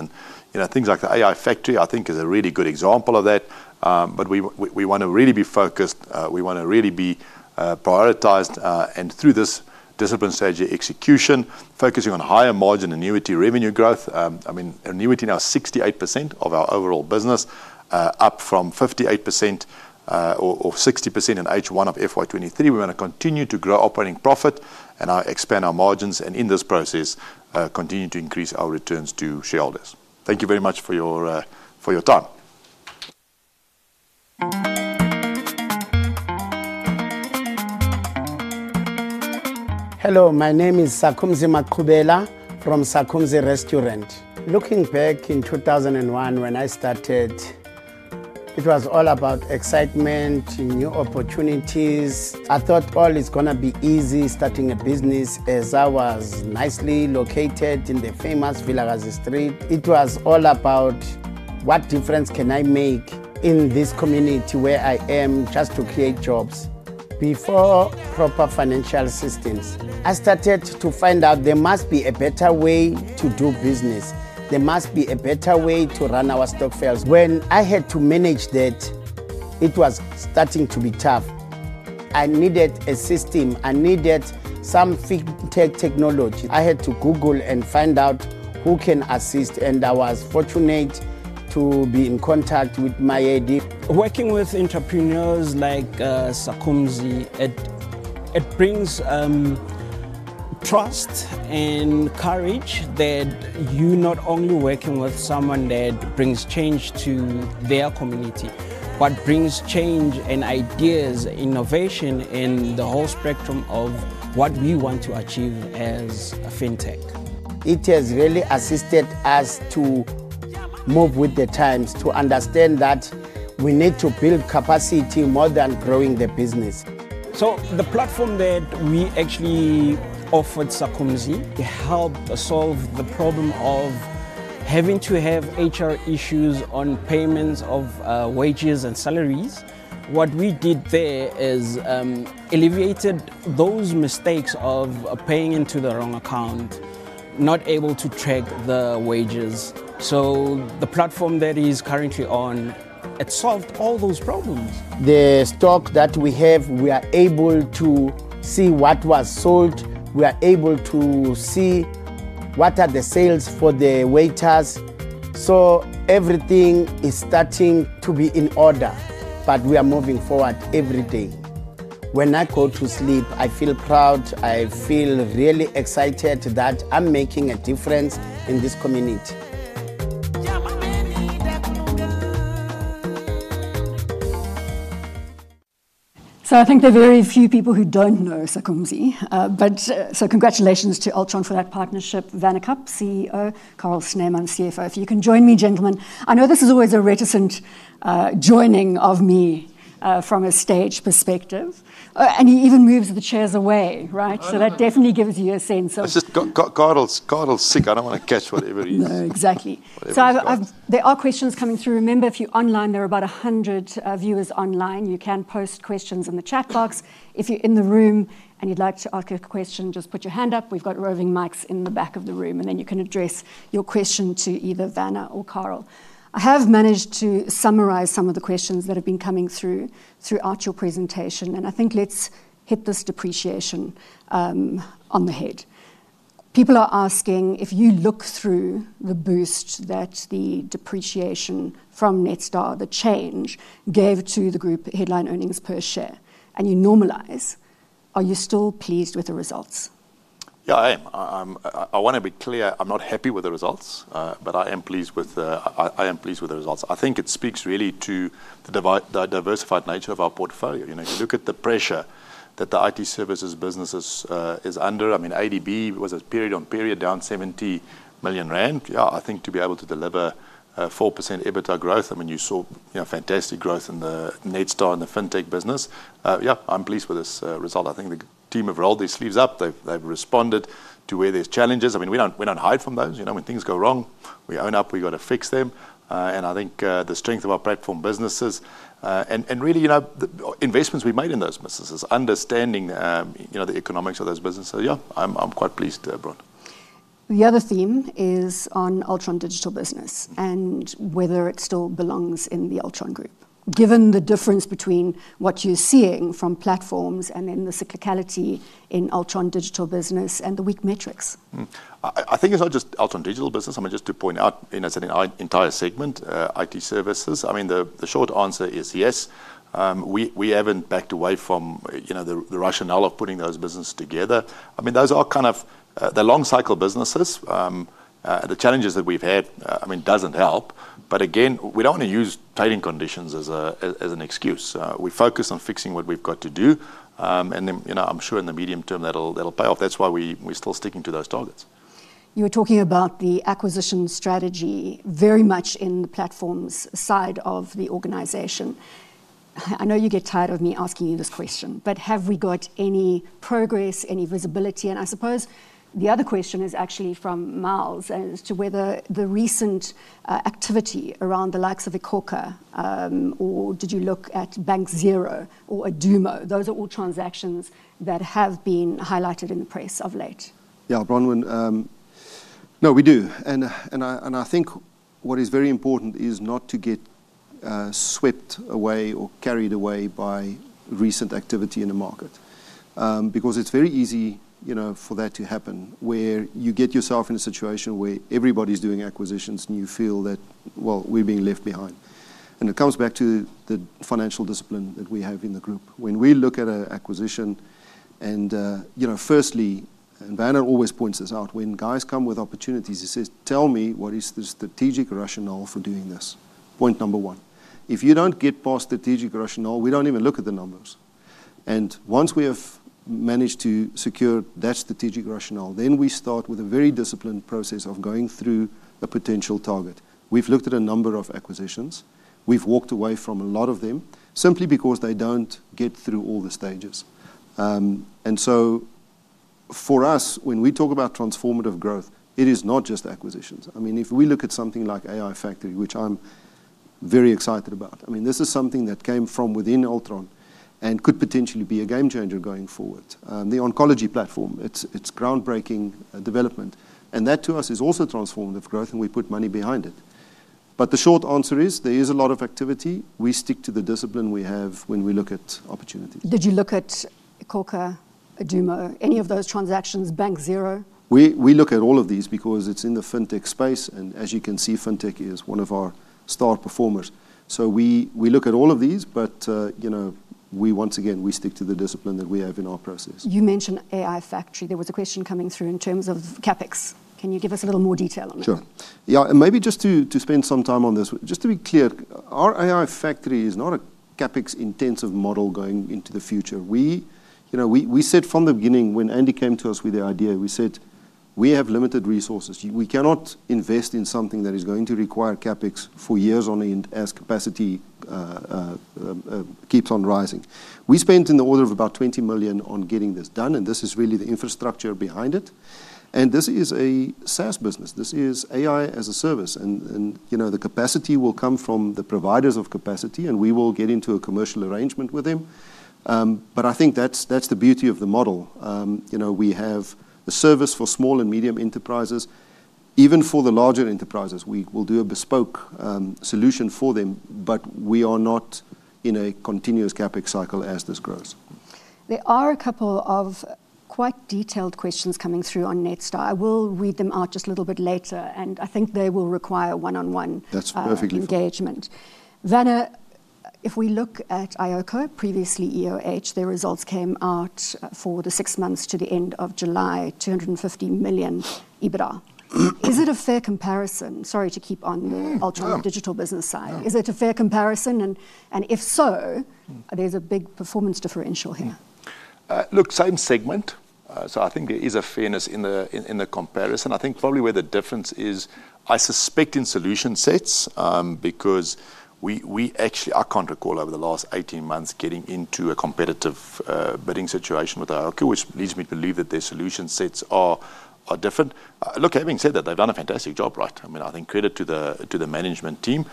Things like the AI Factory, I think, is a really good example of that. We want to really be focused. We want to really be prioritized. Through this disciplined strategy execution, focusing on higher margin annuity revenue growth. I mean, annuity now 68% of our overall business, up from 58% or 60% in H1 of FY 2023. We want to continue to grow operating profit and expand our margins. In this process, continue to increase our returns to shareholders. Thank you very much for your time. Hello. My name is Sakhumzi Maqubela from Sakhumzi Restaurant. Looking back in 2001 when I started, it was all about excitement, new opportunities. I thought, "Oh, it's going to be easy starting a business," as I was nicely located in the famous Vilakazi Street. It was all about what difference can I make in this community where I am, just to create jobs before proper financial systems. I started to find out there must be a better way to do business. There must be a better way to run our stockpiles. When I had to manage that, it was starting to be tough. I needed a system. I needed some fitted technology. I had to Google and find out who can assist. I was fortunate to be in contact with my AD. Working with entrepreneurs like Sakhumzi. It brings trust and courage that you're not only working with someone that brings change to their community, but brings change and ideas, innovation, and the whole spectrum of what we want to achieve as a FinTech. It has really assisted us to move with the times, to understand that we need to build capacity more than growing the business. The platform that we actually offered, Sakhumzi helped solve the problem of having to have HR issues on payments of wages and salaries. What we did there is alleviated those mistakes of paying into the wrong account, not able to track the wages. The platform that he's currently on, it solved all those problems. The stock that we have, we are able to see what was sold. We are able to see what are the sales for the waiters. Everything is starting to be in order. We are moving forward every day. When I go to sleep, I feel proud. I feel really excited that I'm making a difference in this community. I think there are very few people who don't know Sakhumzi. Congratulations to Altron for that partnership. Werner Kapp, CEO, Carel Snyman, CFO. If you can join me, gentlemen. I know this is always a reticent joining of me from a stage perspective. He even moves the chairs away, right? That definitely gives you a sense of. It's just Carel's sick. I don't want to catch whatever he is. No, exactly. There are questions coming through. Remember, if you're online, there are about 100 viewers online. You can post questions in the chat box. If you're in the room and you'd like to ask a question, just put your hand up. We've got roving mics in the back of the room. You can address your question to either Werner or Carel. I have managed to summarize some of the questions that have been coming through throughout your presentation. I think let's hit this depreciation on the head. People are asking if you look through the boost that the depreciation from Netstar, the change, gave to the group headline earnings per share and you normalize, are you still pleased with the results? Yeah, I am. I want to be clear. I'm not happy with the results, but I am pleased with the results. I think it speaks really to the diversified nature of our portfolio. You look at the pressure that the IT services business is under. I mean, ADB was, period on period, down 70 million rand. Yeah, I think to be able to deliver 4% EBITDA growth, I mean, you saw fantastic growth in the Netstar and the FinTech business. Yeah, I'm pleased with this result. I think the team have rolled their sleeves up. They've responded to where there's challenges. I mean, we don't hide from those. When things go wrong, we own up. We've got to fix them. I think the strength of our platform businesses and really investments we made in those businesses, understanding the economics of those businesses. Yeah, I'm quite pleased, Brent. The other theme is on Altron Digital Business and whether it still belongs in the Altron Group, given the difference between what you're seeing from platforms and then the cyclicality in Altron Digital Business and the weak metrics. I think it's not just Altron Digital Business. I mean, just to point out in our entire segment, IT services, I mean, the short answer is yes. We haven't backed away from the rationale of putting those businesses together. I mean, those are kind of the long-cycle businesses. The challenges that we've had, I mean, doesn't help. We don't want to use trading conditions as an excuse. We focus on fixing what we've got to do. I'm sure in the medium term, that'll pay off. That's why we're still sticking to those targets. You were talking about the acquisition strategy very much in the platform's side of the organization. I know you get tired of me asking you this question, but have we got any progress, any visibility? I suppose the other question is actually from Miles as to whether the recent activity around the likes of Ecoca. Or did you look at Bank Zero or Adumo? Those are all transactions that have been highlighted in the press of late. Yeah, Bronwyn. No, we do. I think what is very important is not to get swept away or carried away by recent activity in the market. Because it's very easy for that to happen where you get yourself in a situation where everybody's doing acquisitions and you feel that, well, we're being left behind. It comes back to the financial discipline that we have in the group. When we look at an acquisition, firstly, and Werner always points this out, when guys come with opportunities, he says, "Tell me what is the strategic rationale for doing this?" Point number one. If you don't get past strategic rationale, we don't even look at the numbers. Once we have managed to secure that strategic rationale, then we start with a very disciplined process of going through a potential target. We've looked at a number of acquisitions. We've walked away from a lot of them simply because they don't get through all the stages. For us, when we talk about transformative growth, it is not just acquisitions. I mean, if we look at something like AI Factory, which I'm very excited about, I mean, this is something that came from within Altron and could potentially be a game changer going forward. The oncology platform, it's groundbreaking development. That to us is also transformative growth, and we put money behind it. The short answer is there is a lot of activity. We stick to the discipline we have when we look at opportunities. Did you look at Ecoca, Adumo, any of those transactions, Bank Zero? We look at all of these because it's in the FinTech space. As you can see, FinTech is one of our star performers. We look at all of these, but once again, we stick to the discipline that we have in our process. You mentioned AI Factory. There was a question coming through in terms of CapEx. Can you give us a little more detail on that? Sure. Yeah, and maybe just to spend some time on this, just to be clear, our AI Factory is not a CapEx-intensive model going into the future. We said from the beginning when Andy came to us with the idea, we said, "We have limited resources. We cannot invest in something that is going to require CapEx for years on end as capacity keeps on rising." We spent in the order of about $20 million on getting this done. And this is really the infrastructure behind it. And this is a SaaS business. This is AI as a service. And the capacity will come from the providers of capacity. And we will get into a commercial arrangement with them. I think that's the beauty of the model. We have a service for small and medium enterprises. Even for the larger enterprises, we will do a bespoke solution for them. We are not in a continuous CapEx cycle as this grows. There are a couple of quite detailed questions coming through on Netstar. I will read them out just a little bit later. I think they will require one-on-one. That's perfectly fine. Engagement. Werner, if we look at IOCO, previously EOH, their results came out for the six months to the end of July, $250 million EBITDA. Is it a fair comparison? Sorry to keep on the Altron Digital Business side. Is it a fair comparison? And if so, there's a big performance differential here. Look, same segment. I think there is a fairness in the comparison. I think probably where the difference is, I suspect in solution sets because we actually are kind of over the last 18 months getting into a competitive bidding situation with IOCO, which leads me to believe that their solution sets are different. Look, having said that, they've done a fantastic job, right? I mean, I think credit to the management team.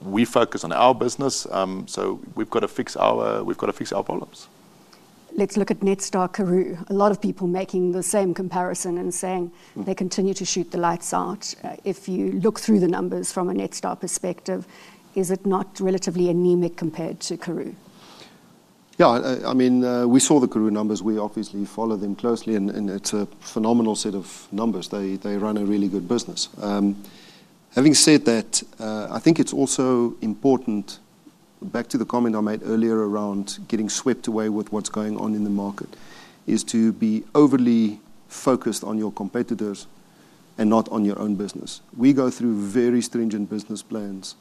We focus on our business. We have to fix our problems. Let's look at Netstar Karoo. A lot of people making the same comparison and saying they continue to shoot the lights out. If you look through the numbers from a Netstar perspective, is it not relatively anemic compared to Karoo? Yeah, I mean, we saw the Karoo numbers. We obviously follow them closely. And it's a phenomenal set of numbers. They run a really good business. Having said that, I think it's also important, back to the comment I made earlier around getting swept away with what's going on in the market, is to be overly focused on your competitors and not on your own business. We go through very stringent business plans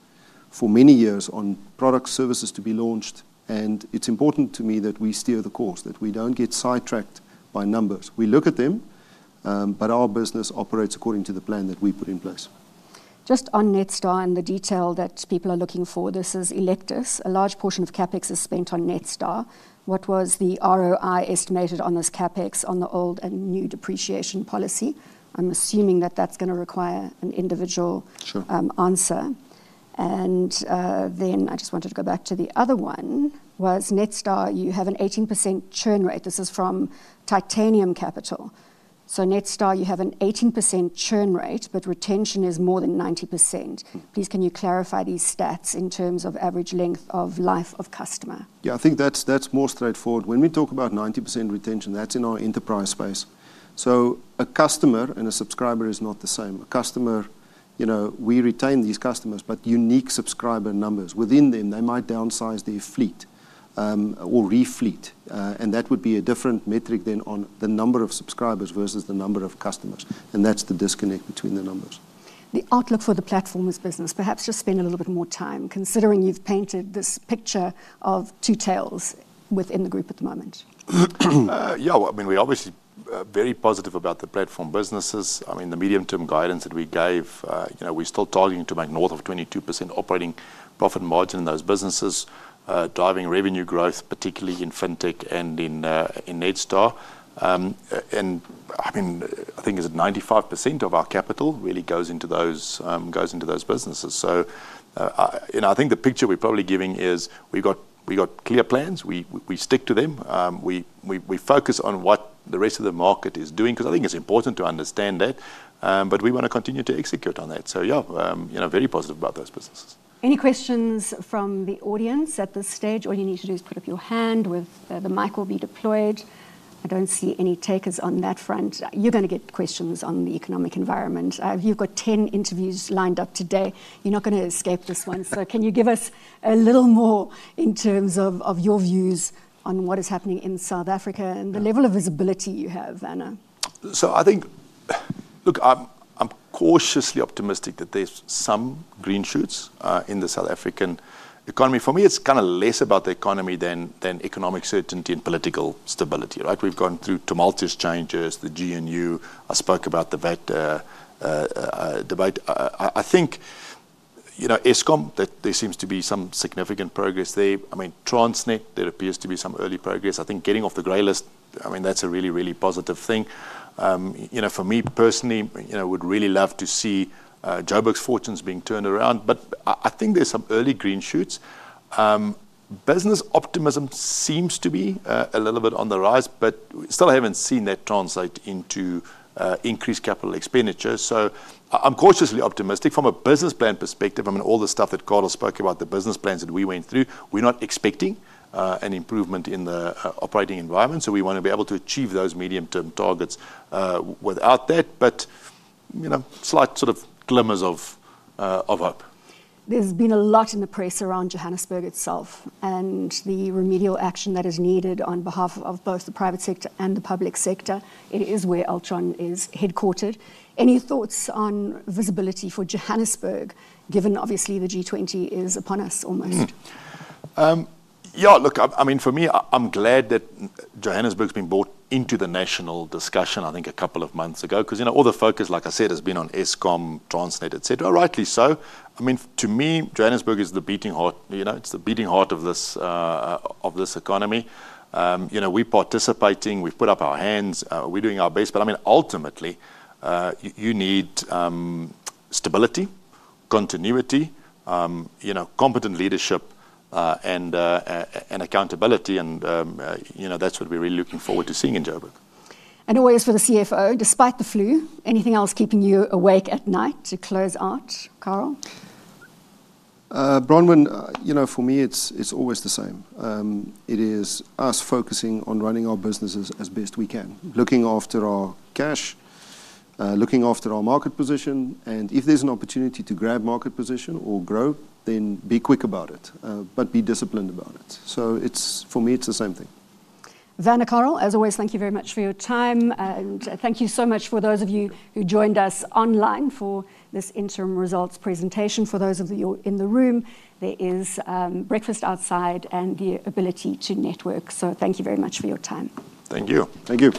for many years on product services to be launched. And it's important to me that we steer the course, that we don't get sidetracked by numbers. We look at them, but our business operates according to the plan that we put in place. Just on Netstar and the detail that people are looking for, this is electives. A large portion of CapEx is spent on Netstar. What was the ROI estimated on this CapEx on the old and new depreciation policy? I'm assuming that that's going to require an individual answer. I just wanted to go back to the other one. Was Netstar, you have an 18% churn rate. This is from Titanium Capital. Netstar, you have an 18% churn rate, but retention is more than 90%. Please, can you clarify these stats in terms of average length of life of customer? Yeah, I think that's more straightforward. When we talk about 90% retention, that's in our enterprise space. A customer and a subscriber is not the same. A customer, we retain these customers, but unique subscriber numbers within them, they might downsize their fleet or refleet. That would be a different metric then on the number of subscribers versus the number of customers. That's the disconnect between the numbers. The outlook for the platform is business. Perhaps just spend a little bit more time considering you have painted this picture of two tails within the group at the moment. Yeah, I mean, we're obviously very positive about the platform businesses. I mean, the medium-term guidance that we gave, we're still targeting to make north of 22% operating profit margin in those businesses, driving revenue growth, particularly in FinTech and in Netstar. I mean, I think it's 95% of our capital really goes into those businesses. I think the picture we're probably giving is we've got clear plans. We stick to them. We focus on what the rest of the market is doing because I think it's important to understand that. We want to continue to execute on that. Yeah, very positive about those businesses. Any questions from the audience at this stage? All you need to do is put up your hand. The mic will be deployed. I do not see any takers on that front. You are going to get questions on the economic environment. You have 10 interviews lined up today. You are not going to escape this one. Can you give us a little more in terms of your views on what is happening in South Africa and the level of visibility you have, Werner? I think. Look, I'm cautiously optimistic that there's some green shoots in the South African economy. For me, it's kind of less about the economy than economic certainty and political stability, right? We've gone through tumultuous changes, the GNU. I spoke about the debate. I think. Eskom, there seems to be some significant progress there. I mean, Transnet, there appears to be some early progress. I think getting off the gray list, I mean, that's a really, really positive thing. For me personally, I would really love to see Johannesburg's fortunes being turned around. I think there's some early green shoots. Business optimism seems to be a little bit on the rise, but still I haven't seen that translate into increased capital expenditure. I'm cautiously optimistic. From a business plan perspective, I mean, all the stuff that Carel has spoken about, the business plans that we went through, we're not expecting an improvement in the operating environment. We want to be able to achieve those medium-term targets without that. Slight sort of glimmers of hope. There's been a lot in the press around Johannesburg itself and the remedial action that is needed on behalf of both the private sector and the public sector. It is where Altron is headquartered. Any thoughts on visibility for Johannesburg, given obviously the G20 is upon us almost? Yeah, look, I mean, for me, I'm glad that Johannesburg has been brought into the national discussion, I think, a couple of months ago because all the focus, like I said, has been on Eskom, Transnet, et cetera. Rightly so. I mean, to me, Johannesburg is the beating heart. It's the beating heart of this economy. We're participating. We've put up our hands. We're doing our best. I mean, ultimately, you need stability, continuity, competent leadership, and accountability. That's what we're really looking forward to seeing in Joeberg. Always for the CFO, despite the flu, anything else keeping you awake at night to close out, Carel? Bronwyn, for me, it's always the same. It is us focusing on running our businesses as best we can, looking after our cash. Looking after our market position. If there's an opportunity to grab market position or grow, then be quick about it, but be disciplined about it. For me, it's the same thing. Werner, Carel, as always, thank you very much for your time. And thank you so much for those of you who joined us online for this interim results presentation. For those of you in the room, there is breakfast outside and the ability to network. So thank you very much for your time. Thank you. Thank you.